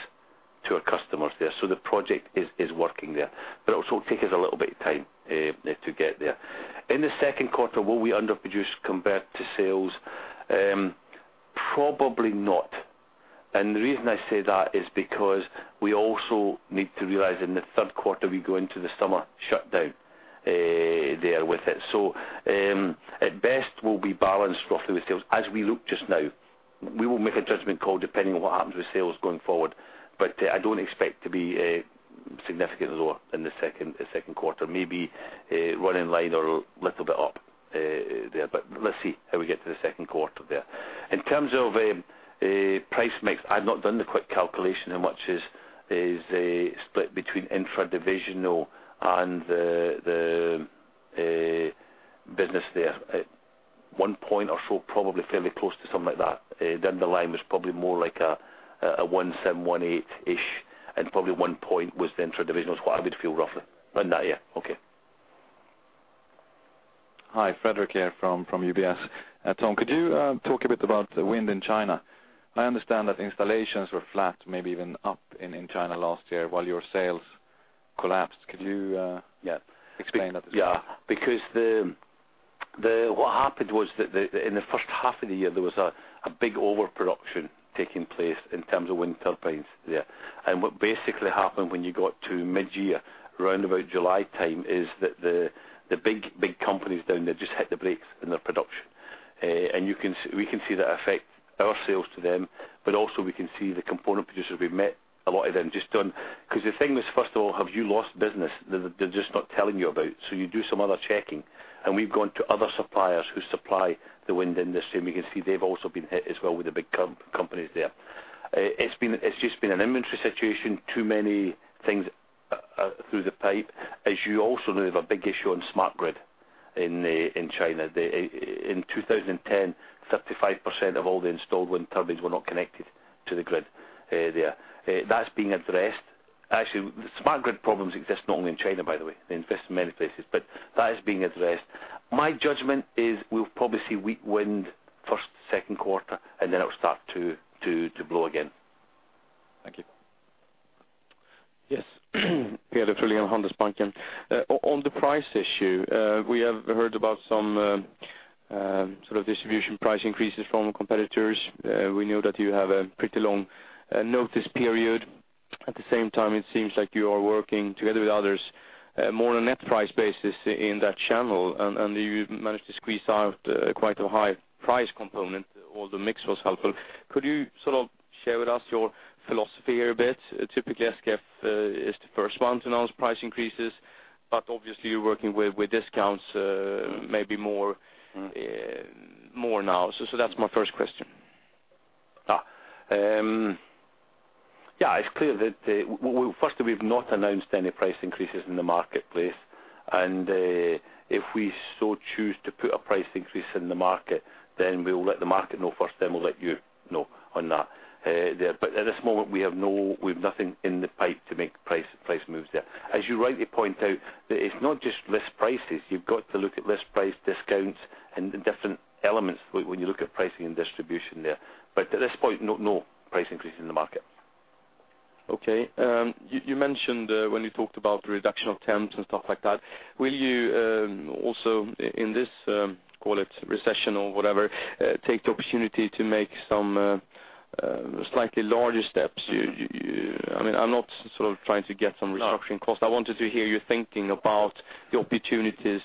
to our customers there. So the project is working there, but it'll also take us a little bit of time to get there. In the second quarter, will we underproduce compared to sales? Probably not. And the reason I say that is because we also need to realize in the third quarter, we go into the summer shutdown there with it. So at best, we'll be balanced roughly with sales. As we look just now, we will make a judgment call, depending on what happens with sales going forward. But I don't expect to be significantly lower than the second quarter, maybe running line or a little bit up there. But let's see how we get to the second quarter there. In terms of a price mix, I've not done the quick calculation, how much is split between intra-divisional and the business there. At 1 point or so, probably fairly close to something like that. Then the line was probably more like a 1.7, 1.8-ish, and probably 1 point was the intra-divisional, is what I would feel roughly than that. Yeah, okay. Hi, Fredrik here from UBS. Tom, could you talk a bit about the wind in China? I understand that installations were flat, maybe even up in China last year, while your sales collapsed. Could you yeah, explain that? Yeah. Because what happened was that in the first half of the year, there was a big overproduction taking place in terms of wind turbines there. And what basically happened when you got to mid-year, around about July time, is that the big companies down there just hit the brakes in their production. And we can see that affect our sales to them, but also we can see the component producers. We've met a lot of them, just don't... 'Cause the thing is, first of all, have you lost business that they're just not telling you about? So you do some other checking, and we've gone to other suppliers who supply the wind industry, and we can see they've also been hit as well with the big companies there. It's been, it's just been an inventory situation, too many things through the pipe, as you also know, we have a big issue on smart grid in the, in China. The, in 2010, 35% of all the installed wind turbines were not connected to the grid, there. That's being addressed. Actually, the smart grid problems exist not only in China, by the way, they exist in many places, but that is being addressed. My judgment is we'll probably see weak wind first, second quarter, and then it will start to blow again. Thank you. Yes. Peder Frölén, Handelsbanken. On the price issue, we have heard about some sort of distribution price increases from competitors. We know that you have a pretty long notice period. At the same time, it seems like you are working together with others more on a net price basis in that channel, and you've managed to squeeze out quite a high price component, or the mix was helpful. Could you sort of share with us your philosophy here a bit? Typically, SKF is the first one to announce price increases, but obviously, you're working with discounts, maybe more now. So that's my first question. Yeah, it's clear that the... Well, firstly, we've not announced any price increases in the marketplace, and if we so choose to put a price increase in the market, then we'll let the market know first, then we'll let you know on that there. But at this moment, we have nothing in the pipe to make price, price moves there. As you rightly point out, that it's not just list prices. You've got to look at list price discounts and the different elements when you look at pricing and distribution there. But at this point, no, no price increase in the market. Okay. You mentioned when you talked about reduction of terms and stuff like that, will you also in this call it recession or whatever take the opportunity to make some slightly larger steps? You, I mean, I'm not sort of trying to get some reduction. No. In cost. I wanted to hear you thinking about the opportunities-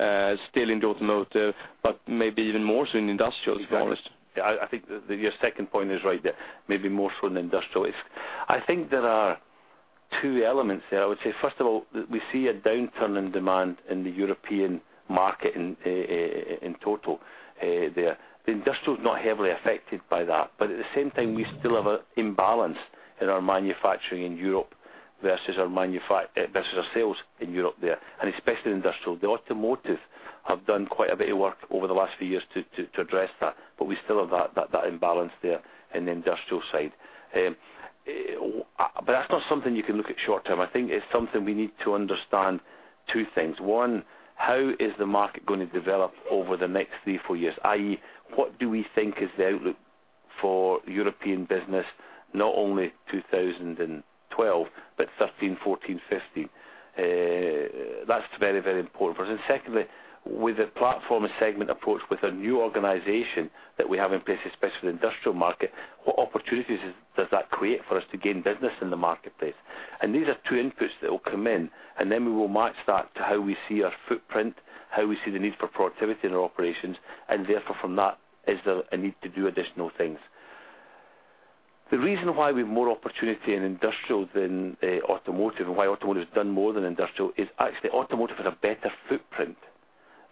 Ah. Still in the automotive, but maybe even more so in industrial, to be honest. Yeah, I think that your second point is right there, maybe more so in industrial. I think there are two elements there. I would say, first of all, we see a downturn in demand in the European market in total there. The industrial is not heavily affected by that, but at the same time, we still have an imbalance in our manufacturing in Europe versus our sales in Europe there, and especially in industrial. The automotive have done quite a bit of work over the last few years to address that, but we still have that imbalance there in the industrial side. But that's not something you can look at short term. I think it's something we need to understand two things. One, how is the market going to develop over the next three, four years? I.e., what do we think is the outlook for European business, not only 2012, but 2013, 2014, 2015? That's very, very important for us. And secondly, with the platform and segment approach, with a new organization that we have in place, especially industrial market, what opportunities does that create for us to gain business in the marketplace? And these are two inputs that will come in, and then we will match that to how we see our footprint, how we see the need for productivity in our operations, and therefore from that is the, a need to do additional things. The reason why we have more opportunity in industrial than automotive, and why automotive has done more than industrial, is actually automotive has a better footprint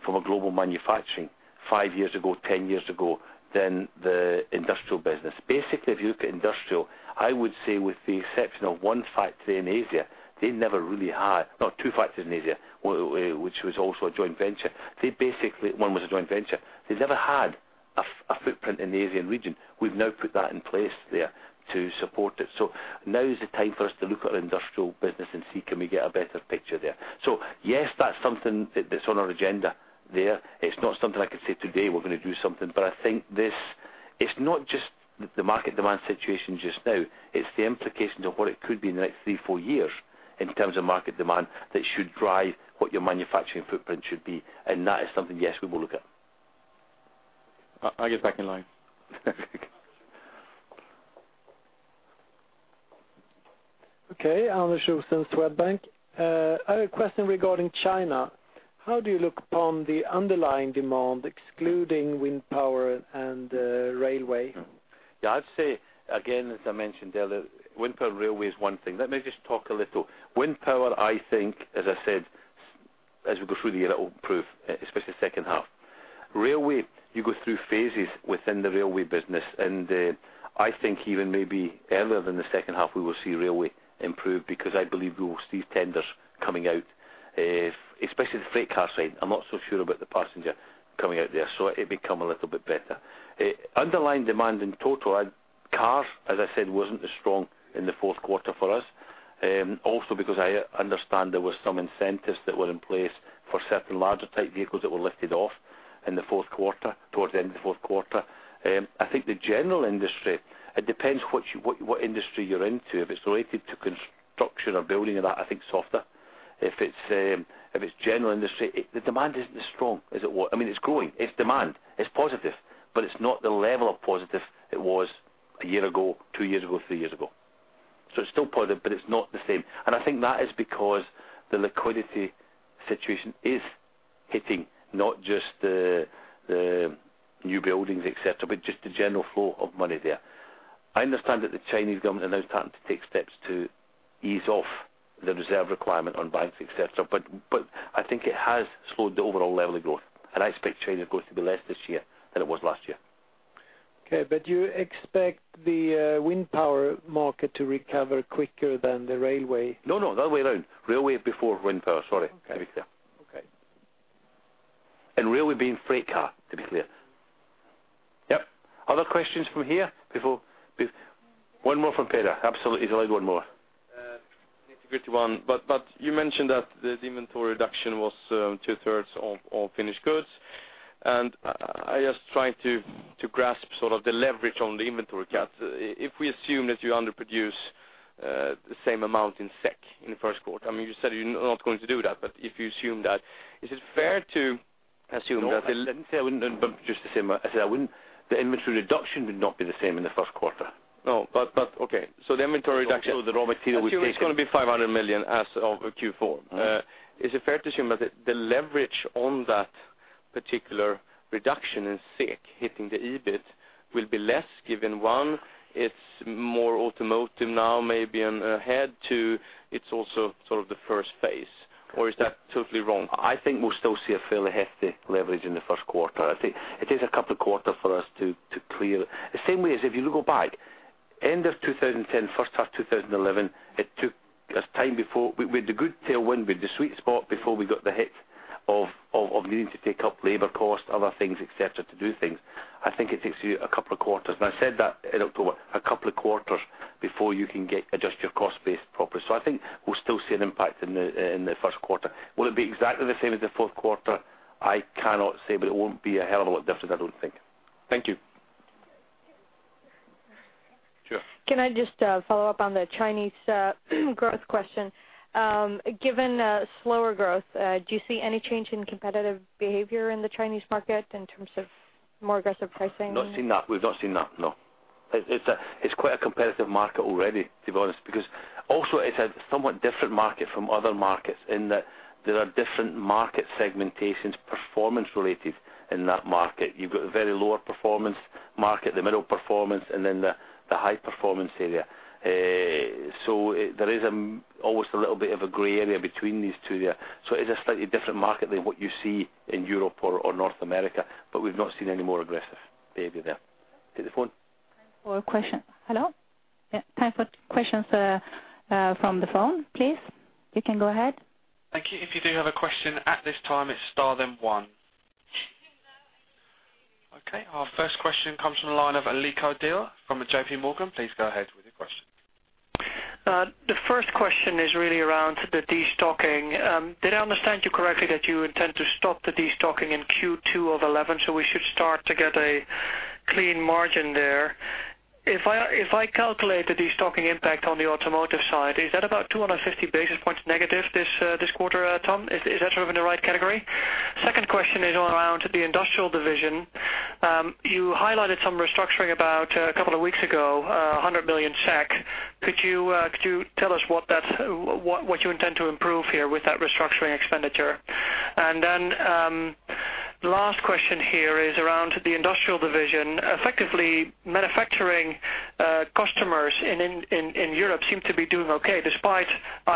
from a global manufacturing five years ago, 10 years ago, than the industrial business. Basically, if you look at industrial, I would say with the exception of one factory in Asia, they never really had... No, two factories in Asia, which was also a joint venture. They basically, one was a joint venture. They never had a footprint in the Asian region. We've now put that in place there to support it. So now is the time for us to look at ourindustrial business and see can we get a better picture there. So yes, that's something that, that's on our agenda there. It's not something I could say today, we're going to do something, but I think this, it's not just the market demand situation just now, it's the implications of what it could be in the next three-four years in terms of market demand, that should drive what your manufacturing footprint should be, and that is something, yes, we will look at. I'll get back in line. Okay, Anders Fagerlund, Swedbank. I have a question regarding China. How do you look upon the underlying demand, excluding wind power and railway? Yeah, I'd say, again, as I mentioned earlier, wind power, railway is one thing. Let me just talk a little. Wind power, I think, as I said, as we go through the year, it will improve, especially second half. Railway, you go through phases within the railway business, and I think even maybe earlier than the second half, we will see railway improve because I believe we will see tenders coming out, if especially the freight car side. I'm not so sure about the passenger coming out there, so it may come a little bit better. Underlying demand in total, cars, as I said, wasn't as strong in the fourth quarter for us. Also because I understand there were some incentives that were in place for certain larger type vehicles that were lifted off in the fourth quarter, towards the end of the fourth quarter. I think the general industry, it depends what industry you're into. If it's related to construction or building of that, I think softer. If it's general industry, the demand isn't as strong as it was. I mean, it's growing. It's demand, it's positive, but it's not the level of positive it was a year ago, two years ago, three years ago. So it's still positive, but it's not the same. And I think that is because the liquidity situation is hitting not just the new buildings, et cetera, but just the general flow of money there. I understand that the Chinese government are now starting to take steps to ease off the reserve requirement on banks, et cetera, but, but I think it has slowed the overall level of growth, and I expect China growth to be less this year than it was last year. Okay, but you expect the wind power market to recover quicker than the railway? No, no, other way around. Railway before wind power. Sorry. Okay. Railway being freight car, to be clear. Yep. Other questions from here before... One more from Peder. Absolutely, there's one more. 50-51. But you mentioned that the inventory reduction was two-thirds of finished goods. And I just trying to grasp sort of the leverage on the inventory cuts. If we assume that you underproduce the same amount in SEK in the first quarter, I mean, you said you're not going to do that, but if you assume that, is it fair to assume that. Let me say, I wouldn't, but just the same, I said I wouldn't... The inventory reduction would not be the same in the first quarter. No, but, but okay. So the inventory reduction. The raw material we've taken. It's gonna be 500 million as of Q4. Right. Is it fair to assume that the leverage on that particular reduction in SEK, hitting the EBIT, will be less, given one, it's more automotive now, maybe on ahead, two, it's also sort of the first phase? Or is that totally wrong? I think we'll still see a fairly hefty leverage in the first quarter. I think it takes a couple of quarters for us to, to clear. The same way as if you go back, end of 2010, first half 2011, it took us time before we had the good tailwind, we had the sweet spot before we got the hit of, of, of needing to take up labor costs, other things, et cetera, to do things. I think it takes you a couple of quarters. And I said that in October, a couple of quarters before you can get adjust your cost base properly. So I think we'll still see an impact in the, in the first quarter. Will it be exactly the same as the fourth quarter? I cannot say, but it won't be a hell of a lot different, I don't think. Thank you. Sure. Can I just follow up on the Chinese growth question? Given slower growth, do you see any change in competitive behavior in the Chinese market in terms of more aggressive pricing? Not seen that. We've not seen that, no. It's quite a competitive market already, to be honest, because also it's a somewhat different market from other markets in that there are different market segmentations, performance related in that market. You've got a very lower performance market, the middle performance, and then the high performance area. So there is always a little bit of a gray area between these two there. So it's a slightly different market than what you see in Europe or North America, but we've not seen any more aggressive behavior there. Take the phone. For question. Hello? Yeah, time for questions, from the phone, please. You can go ahead. Thank you. If you do have a question at this time, it's star, then one. Okay, our first question comes from the line of Nico Dil from J.P. Morgan. Please go ahead with your question. The first question is really around the destocking. Did I understand you correctly, that you intend to stop the destocking in Q2 of 2011, so we should start to get a clean margin there? If I, if I calculate the destocking impact on the automotive side, is that about 250 basis points negative this this quarter, Tom? Is, is that sort of in the right category? Second question is around the industrial division. You highlighted some restructuring about a couple of weeks ago, 100 million SEK. Could you, could you tell us what that's, what, what you intend to improve here with that restructuring expenditure? And then, last question here is around the industrial division. Effectively, manufacturing customers in Europe seem to be doing okay, despite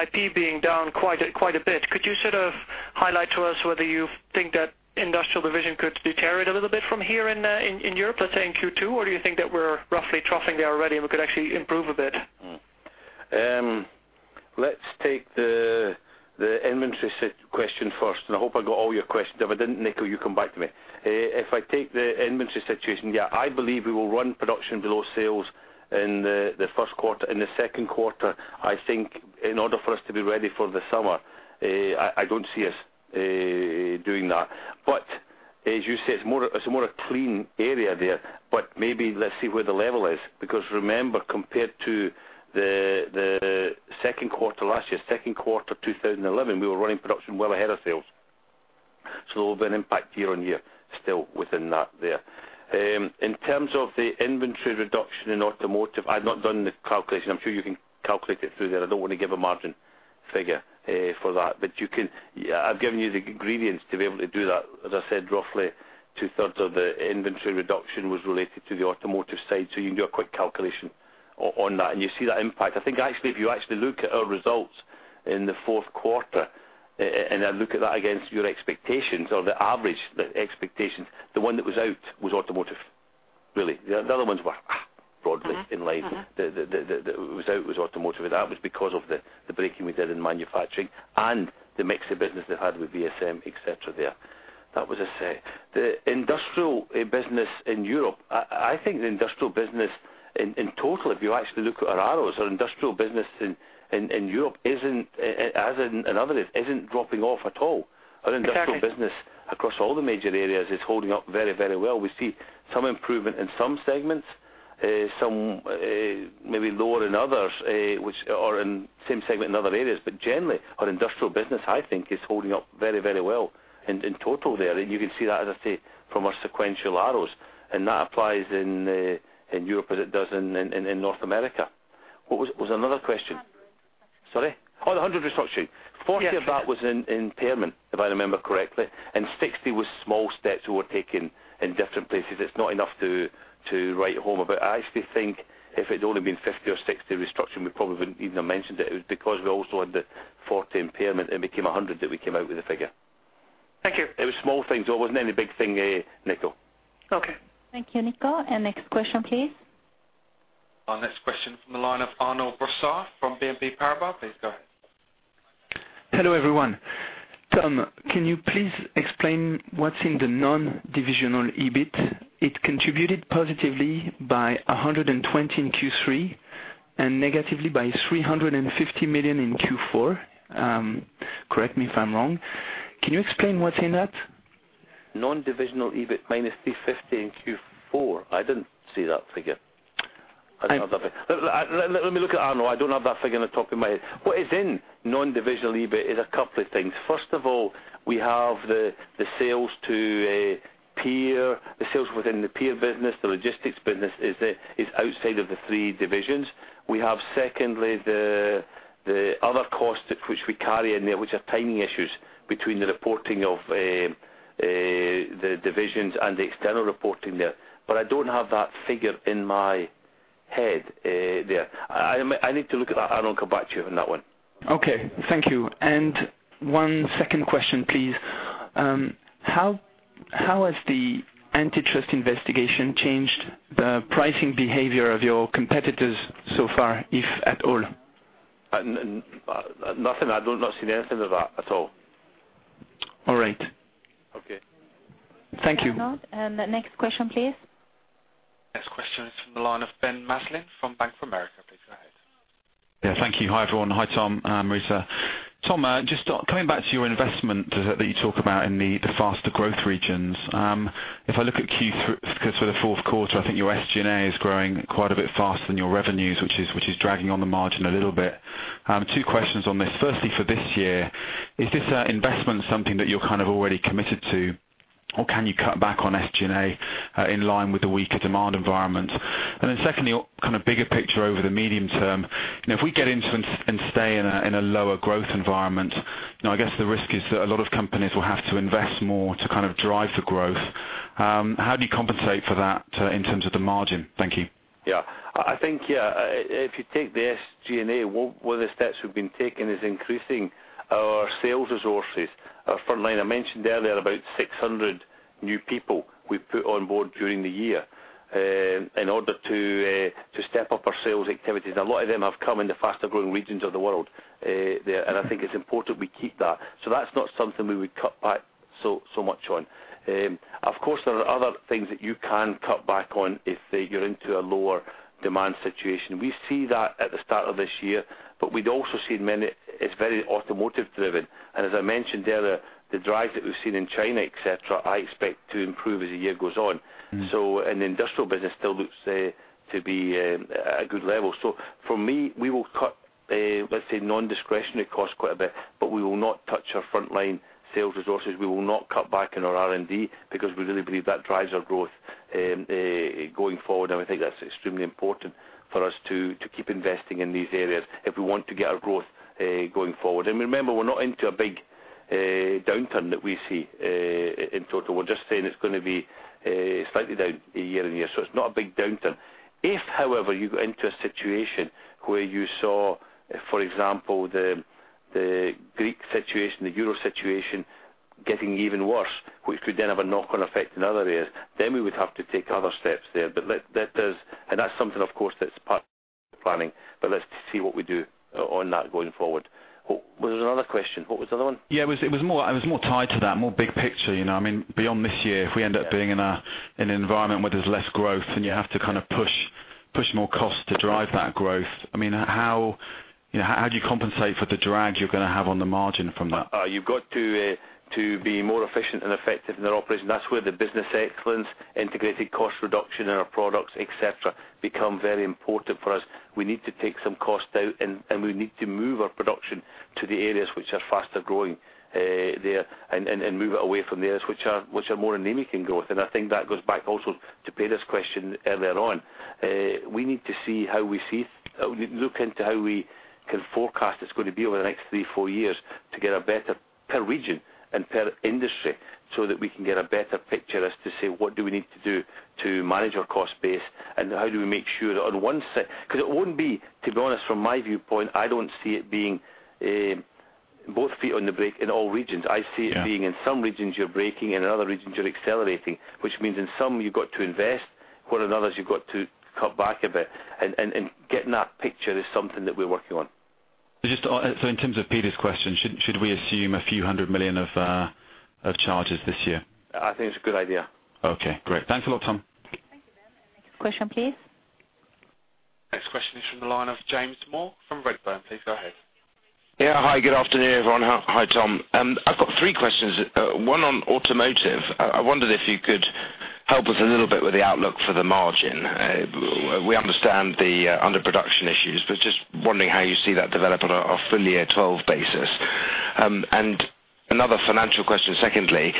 IP being down quite a bit. Could you sort of highlight to us whether you think that industrial division could deteriorate a little bit from here in Europe, let's say in Q2? Or do you think that we're roughly troughing there already, and we could actually improve a bit? Let's take the inventory situation question first, and I hope I got all your questions. If I didn't, Nico, you come back to me. If I take the inventory situation, yeah, I believe we will run production below sales in the first quarter. In the second quarter, I think in order for us to be ready for the summer, I don't see us doing that. But as you say, it's more a clean area there, but maybe let's see where the level is, because remember, compared to the second quarter last year, second quarter 2011, we were running production well ahead of sales... So there will be an impact year-on-year, still within that there. In terms of the inventory reduction in automotive, I've not done the calculation. I'm sure you can calculate it through there. I don't want to give a margin figure for that. But you can. I've given you the ingredients to be able to do that. As I said, roughly two-thirds of the inventory reduction was related to the automotive side, so you can do a quick calculation on that, and you see that impact. I think, actually, if you actually look at our results in the fourth quarter, and then look at that against your expectations or the average, the expectations, the one that was out was automotive, really. The other ones were broadly in line. Uh-huh. The, the, was out was automotive, and that was because of the, the breaking we did in manufacturing and the mix of business they had with VSM, et cetera, there. That was as say. The industrial business in Europe, I think the industrial businesss in total, if you actually look at our arrows, our industrial business in Europe isn't, as in another, isn't dropping off at all. Exactly. Our industrial business across all the major areas is holding up very, very well. We see some improvement in some segments, some, maybe lower than others, which are in the same segment in other areas. But generally, our industrial business, I think, is holding up very, very well in total there. And you can see that, as I say, from our sequential arrows, and that applies in Europe as it does in North America. What was another question? Hundred. Sorry. Oh, the 100 restructuring. Yes. 40 of that was in impairment, if I remember correctly, and 60 was small steps we were taking in different places. It's not enough to write home about. I actually think if it had only been 50 or 60 restructuring, we probably wouldn't even have mentioned it. It was because we also had the 40 impairment. It became a 100 that we came out with the figure. Thank you. It was small things. There wasn't any big thing there, Nico. Okay. Thank you, Nico. Next question, please. Our next question from the line of Arnaud Brossard from BNP Paribas. Please go ahead. Hello, everyone. Tom, can you please explain what's in the non-divisional EBIT? It contributed positively by 120 million in Q3 and negatively by 350 million in Q4. Correct me if I'm wrong. Can you explain what's in that? Non-divisional EBIT, -350 in Q4? I didn't see that figure. I. Let me look at it, Arnaud. I don't have that figure in the top of my head. What is in non-divisional EBIT is a couple of things. First of all, we have the sales to a peer, the sales within the peer business. The logistics business is outside of the three divisions. Secondly, we have the other costs which we carry in there, which are timing issues between the reporting of the divisions and the external reporting there. But I don't have that figure in my head there. I need to look at that, Arnaud, come back to you on that one. Okay. Thank you. And one second question, please. How has the antitrust investigation changed the pricing behavior of your competitors so far, if at all? Nothing. I've not seen anything of that at all. All right. Okay. Thank you. The next question, please. Next question is from the line of Ben Maslen, from Bank of America. Please go ahead. Yeah, thank you. Hi, everyone. Hi, Tom, Marita. Tom, just coming back to your investment that you talk about in the faster growth regions. If I look at Q3 for the fourth quarter, I think your SG&A is growing quite a bit faster than your revenues, which is dragging on the margin a little bit. Two questions on this. Firstly, for this year, is this investment something that you're kind of already committed to, or can you cut back on SG&A in line with the weaker demand environment? And then secondly, kind of bigger picture over the medium term, and if we get into and stay in a lower growth environment, now, I guess the risk is that a lot of companies will have to invest more to kind of drive the growth. How do you compensate for that, in terms of the margin? Thank you. Yeah. I think, yeah, if you take the SG&A, one of the steps we've been taking is increasing our sales resources. Our frontline, I mentioned earlier, about 600 new people we put on board during the year, in order to step up our sales activities. A lot of them have come in the faster-growing regions of the world, there, and I think it's important we keep that. So that's not something we would cut back so much on. Of course, there are other things that you can cut back on if you're into a lower demand situation. We see that at the start of this year, but we'd also seen many—it's very automotive driven. And as I mentioned earlier, the drive that we've seen in China, et cetera, I expect to improve as the year goes on. Mm-hmm. The industrial business still looks to be at a good level. For me, we will cut, let's say, non-discretionary costs quite a bit, but we will not touch our frontline sales resources. We will not cut back on our R&D because we really believe that drives our growth going forward, and we think that's extremely important for us to keep investing in these areas if we want to get our growth going forward. Remember, we're not into a big downturn that we see in total. We're just saying it's gonna be slightly down year-over-year, so it's not a big downturn. If, however, you go into a situation where you saw, for example, the Greek situation, the Euro situation, getting even worse, which could then have a knock-on effect in other areas, then we would have to take other steps there. But let, that does—and that's something, of course, that's part of planning, but let's see what we do on that going forward. What... Was there another question? What was the other one? Yeah, it was, it was more, it was more tied to that, more big picture, you know. I mean, beyond this year- Yeah. If we end up being in an environment where there's less growth and you have to kind of push, push more costs to drive that growth, I mean, how, you know, how do you compensate for the drag you're gonna have on the margin from that? You've got to be more efficient and effective in our operation. That's where the Business Excellence, Integrated Cost Reduction in our products, et cetera, become very important for us. We need to take some cost out, and we need to move our production to the areas which are faster growing, and move it away from the areas which are more anemic in growth. And I think that goes back also to Peder's question earlier on. We look into how we can forecast it's going to be over the next three-four years to get a better per region and per industry, so that we can get a better picture as to say, what do we need to do to manage our cost base, and how do we make sure that on one side, 'cause it won't be, to be honest, from my viewpoint, I don't see it being both feet on the brake in all regions. Yeah. I see it being in some regions you're braking, and in other regions you're accelerating. Which means in some you've got to invest, while in others you've got to cut back a bit. And getting that picture is something that we're working on. Just, so in terms of Peder's question, should we assume a few 100 million SEK of charges this year? I think it's a good idea. Okay, great. Thanks a lot, Tom. Thank you. Next question, please. Next question is from the line of James Moore from Redburn. Please go ahead. Yeah. Hi, good afternoon, everyone. Hi, Tom. I've got three questions, one on automotive. I wondered if you could help us a little bit with the outlook for the margin. We understand the underproduction issues, but just wondering how you see that develop on a full-year 2012 basis. And another financial question, secondly,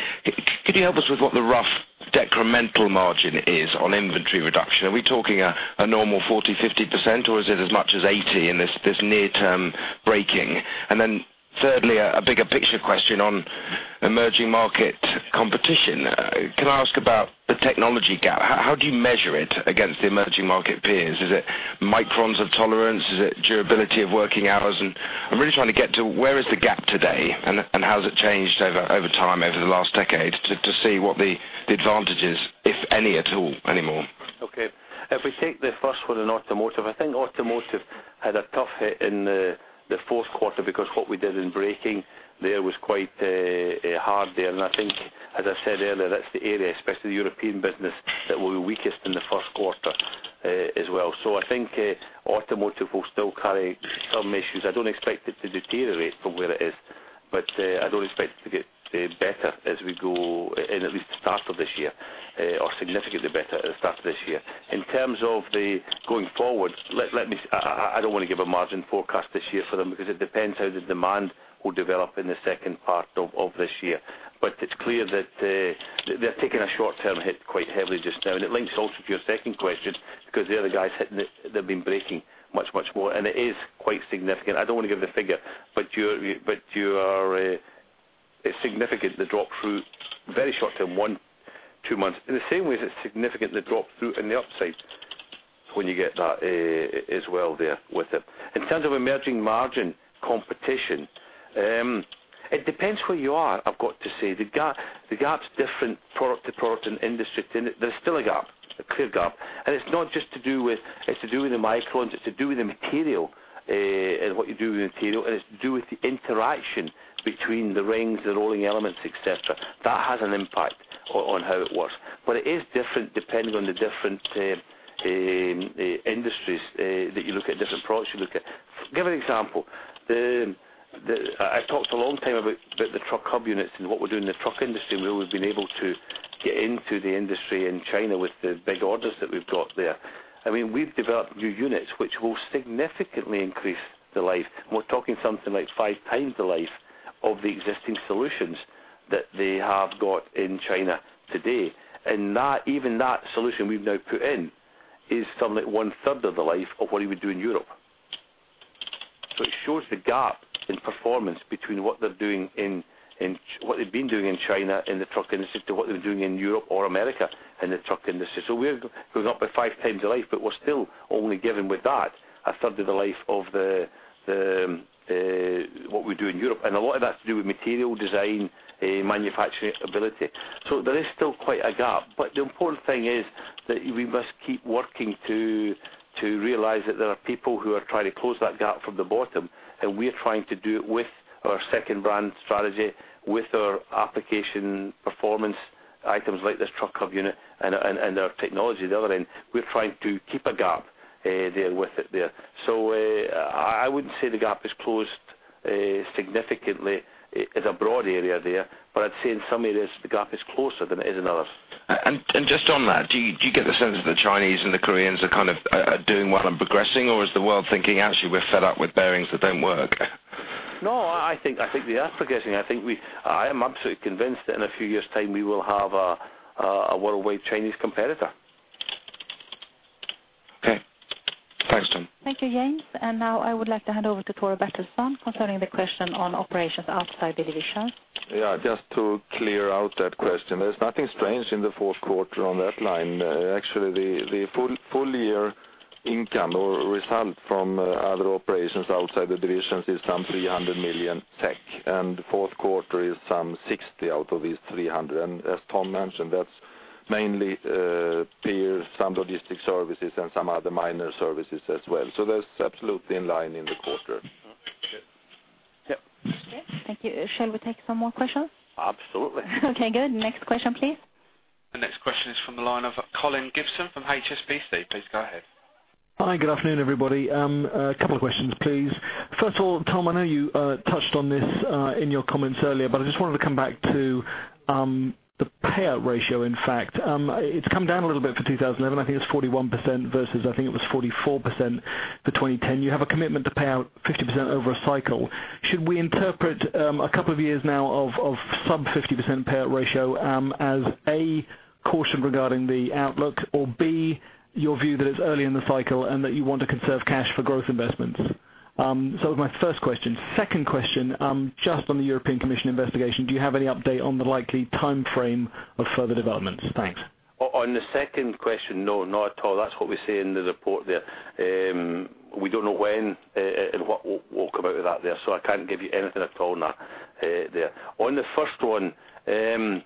could you help us with what the rough decremental margin is on inventory reduction? Are we talking a normal 40-50%, or is it as much as 80% in this near-term breakeven? And then, thirdly, a bigger picture question on emerging market competition. Can I ask about the technology gap? How do you measure it against the emerging market peers? Is it microns of tolerance? Is it durability of working hours? I'm really trying to get to where is the gap today, and how has it changed over time, over the last decade, to see what the advantage is, if any, at all, anymore. Okay. If we take the first one in automotive, I think automotive had a tough hit in the fourth quarter, because what we did in braking there was quite hard there. And I think, as I said earlier, that's the area, especially the European business, that will be weakest in the first quarter as well. So I think automotive will still carry some issues. I don't expect it to deteriorate from where it is, but I don't expect it to get better as we go in, at least the start of this year, or significantly better at the start of this year. In terms of the going forward, let me... I don't want to give a margin forecast this year for them, because it depends how the demand will develop in the second part of this year. But it's clear that, they're taking a short-term hit quite heavily just now, and it links also to your second question, because the other guys hitting it, they've been braking much, much more, and it is quite significant. I don't want to give the figure, but you're, but you are, significant, the drop through very short term, one, two months. In the same way as it's significant, the drop through in the upside when you get that, as well there with it. In terms of emerging margin competition, it depends where you are, I've got to say. The gap, the gap's different product to product and industry, there's still a gap, a clear gap. It's not just to do with. It's to do with the microns, it's to do with the material, and what you do with the material, and it's to do with the interaction between the rings, the rolling elements, et cetera. That has an impact on how it works. But it is different depending on the different industries that you look at, different products you look at. Give an example. I talked a long time about the truck hub units and what we're doing in the truck industry, and we've been able to get into the industry in China with the big orders that we've got there. I mean, we've developed new units, which will significantly increase the life. We're talking something like five times the life of the existing solutions that they have got in China today. And that, even that solution we've now put in is something like one third of the life of what you would do in Europe. So it shows the gap in performance between what they've been doing in China, in the truck industry, to what they're doing in Europe or America, in the truck industry. So we're going up by five times the life, but we're still only given with that, a third of the life of the, the, what we do in Europe. And a lot of that's to do with material design, manufacturing ability. So there is still quite a gap, but the important thing is that we must keep working to realize that there are people who are trying to close that gap from the bottom, and we are trying to do it with our second brand strategy, with our application performance items like this truck hub Unit and our technology on the other end. We're trying to keep a gap there with it there. So I wouldn't say the gap is closed significantly as a broad area there, but I'd say in some areas the gap is closer than it is in others. Just on that, do you get the sense that the Chinese and the Koreans are kind of doing well and progressing, or is the world thinking, "Actually, we're fed up with bearings that don't work? No, I think, I think they are progressing. I think we, I am absolutely convinced that in a few years' time we will have a, a worldwide Chinese competitor. Okay. Thanks, Tom. Thank you, James. And now I would like to hand over to Tore Bertilsson concerning the question on operations outside the division. Yeah, just to clear out that question, there's nothing strange in the fourth quarter on that line. Actually, the full year income or result from other operations outside the divisions is some 300 million, and fourth quarter is some 60 million out of these 300 million. And as Tom mentioned, that's mainly peers, some logistics services, and some other minor services as well. So that's absolutely in line in the quarter. Yep. Thank you. Shall we take some more questions? Absolutely. Okay, good. Next question, please. The next question is from the line of Colin Gibson from HSBC. Please go ahead. Hi, good afternoon, everybody. A couple of questions, please. First of all, Tom, I know you touched on this in your comments earlier, but I just wanted to come back to the payout ratio, in fact. It's come down a little bit for 2011. I think it's 41% versus, I think it was 44% for 2010. You have a commitment to pay out 50% over a cycle. Should we interpret a couple of years now of sub 50% payout ratio as, A, caution regarding the outlook? Or, B, your view that it's early in the cycle and that you want to conserve cash for growth investments. So my first question. Second question, just on the European Commission investigation, do you have any update on the likely timeframe of further developments? Thanks. On the second question, no, not at all. That's what we say in the report there. We don't know when and what we'll come out with there, so I can't give you anything at all on that there. On the first one, I think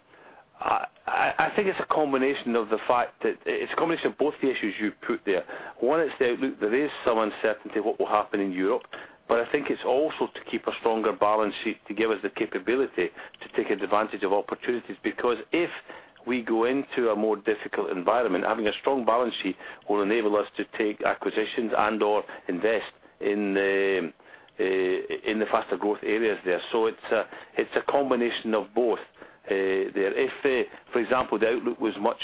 it's a combination of the fact that it's a combination of both the issues you've put there. One, it's the outlook. There is some uncertainty what will happen in Europe, but I think it's also to keep a stronger balance sheet, to give us the capability to take advantage of opportunities. Because if we go into a more difficult environment, having a strong balance sheet will enable us to take acquisitions and/or invest in the faster growth areas there. So it's a combination of both. There if, for example, the outlook was much,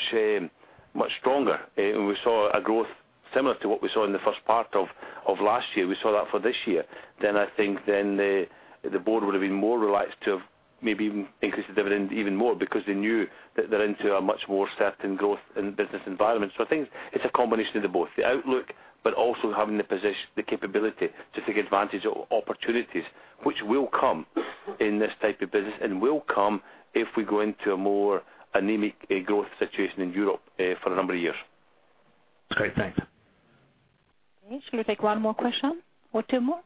much stronger, and we saw a growth similar to what we saw in the first part of, of last year, we saw that for this year, then I think then the, the board would have been more relaxed to have maybe increased the dividend even more because they knew that they're into a much more certain growth and Business Environment. So I think it's a combination of the both, the outlook, but also having the position, the capability to take advantage of opportunities, which will come in this type of business and will come if we go into a more anemic growth situation in Europe, for a number of years. Great. Thanks. Okay. Should we take one more question or two more?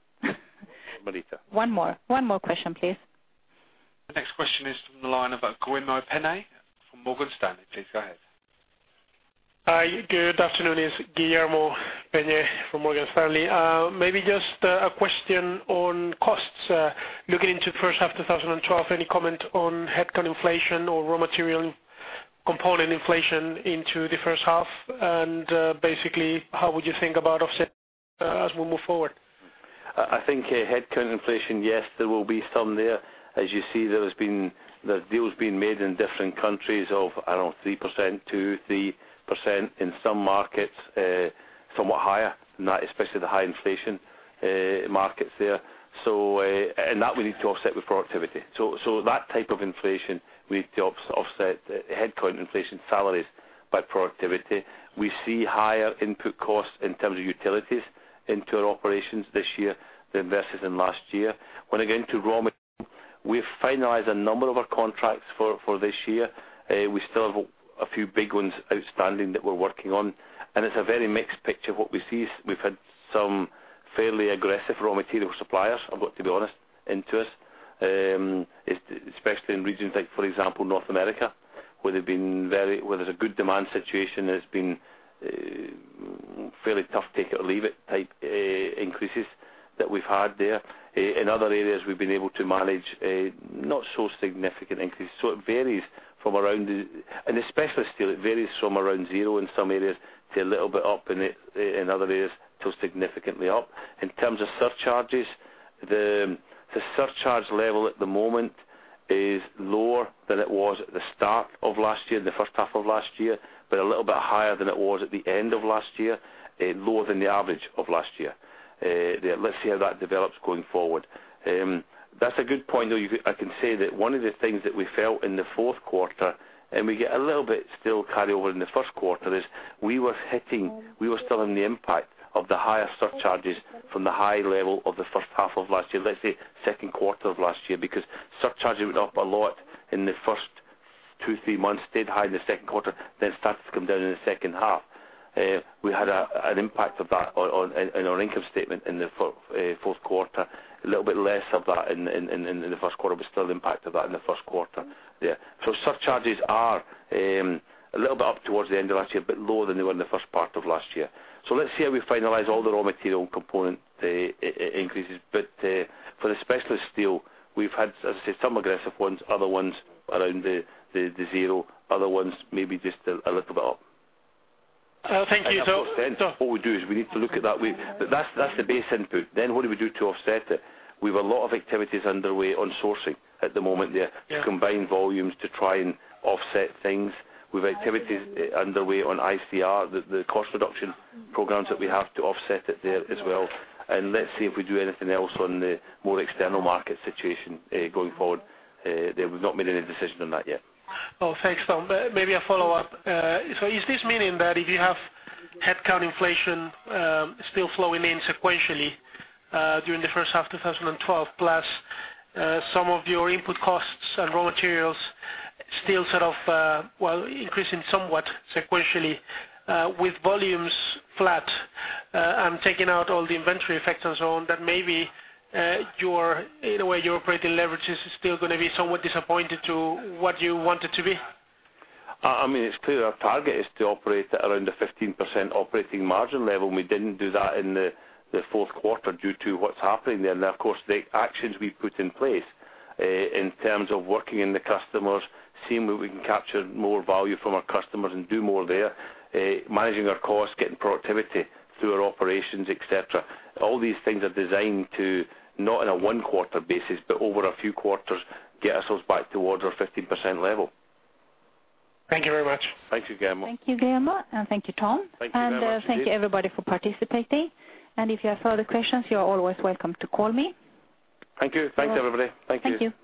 Marita. One more. One more question, please. The next question is from the line of Guillermo Peigneux from Morgan Stanley. Please go ahead. Hi, good afternoon. It's Guillermo Peigneux from Morgan Stanley. Maybe just a question on costs. Looking into the first half of 2012, any comment on headcount inflation or raw material component inflation into the first half? And basically, how would you think about offset as we move forward? I think headcount inflation, yes, there will be some there. As you see, there has been the deals being made in different countries of, I don't know, 3%-3% in some markets, somewhat higher, and that especially the high inflation markets there. So, and that we need to offset with productivity. So, that type of inflation, we need to offset the headcount inflation salaries by productivity. We see higher input costs in terms of utilities into our operations this year than versus in last year. When I go into raw material, we've finalized a number of our contracts for this year. We still have a few big ones outstanding that we're working on, and it's a very mixed picture of what we see. We've had some fairly aggressive raw material suppliers, I've got to be honest, into us. Especially in regions like, for example, North America, where there's a good demand situation, there's been fairly tough take it or leave it type increases that we've had there. In other areas, we've been able to manage a not so significant increase, so it varies from around zero in some areas to a little bit up in other areas, to significantly up. In terms of surcharges, the surcharge level at the moment is lower than it was at the start of last year, in the first half of last year, but a little bit higher than it was at the end of last year, lower than the average of last year. Let's see how that develops going forward. That's a good point, though. I can say that one of the things that we felt in the fourth quarter, and we get a little bit still carry over in the first quarter, is we were hitting, we were still in the impact of the higher surcharges from the high level of the first half of last year, let's say second quarter of last year. Because surcharges went up a lot in the first two, three months, stayed high in the second quarter, then started to come down in the second half. We had an impact of that on our income statement in the fourth quarter, a little bit less of that in the first quarter, but still the impact of that in the first quarter, yeah. So surcharges are a little bit up towards the end of last year, but lower than they were in the first part of last year. So let's see how we finalize all the raw material component increases. But for the specialist steel, we've had, as I said, some aggressive ones, other ones around the zero, other ones maybe just a little bit up. Thank you. So. What we do is we need to look at that—but that's, that's the base input. Then what do we do to offset it? We have a lot of activities underway on sourcing at the moment there- Yeah. To combine volumes to try and offset things. We've activities underway on ICR, the cost reduction programs that we have to offset it there as well. And let's see if we do anything else on the more external market situation, going forward. We've not made any decision on that yet. Oh, thanks, Tom. Maybe a follow-up. So is this meaning that if you have headcount inflation, still flowing in sequentially, during the first half of 2012, plus, some of your input costs and raw materials still sort of, well, increasing somewhat sequentially, with volumes flat, and taking out all the inventory effects and so on, that maybe, your, in a way, your operating leverage is still gonna be somewhat disappointed to what you want it to be? I mean, it's clear our target is to operate at around the 15% operating margin level. We didn't do that in the fourth quarter due to what's happening there. And of course, the actions we put in place, in terms of working in the customers, seeing where we can capture more value from our customers and do more there, managing our costs, getting productivity through our operations, et cetera. All these things are designed to, not on a one-quarter basis, but over a few quarters, get ourselves back towards our 15% level. Thank you very much. Thank you, Guillermo. Thank you, Guillermo, and thank you, Tom. Thank you very much. Thank you, everybody, for participating. If you have further questions, you are always welcome to call me. Thank you. Thanks, everybody. Thank you. Thank you.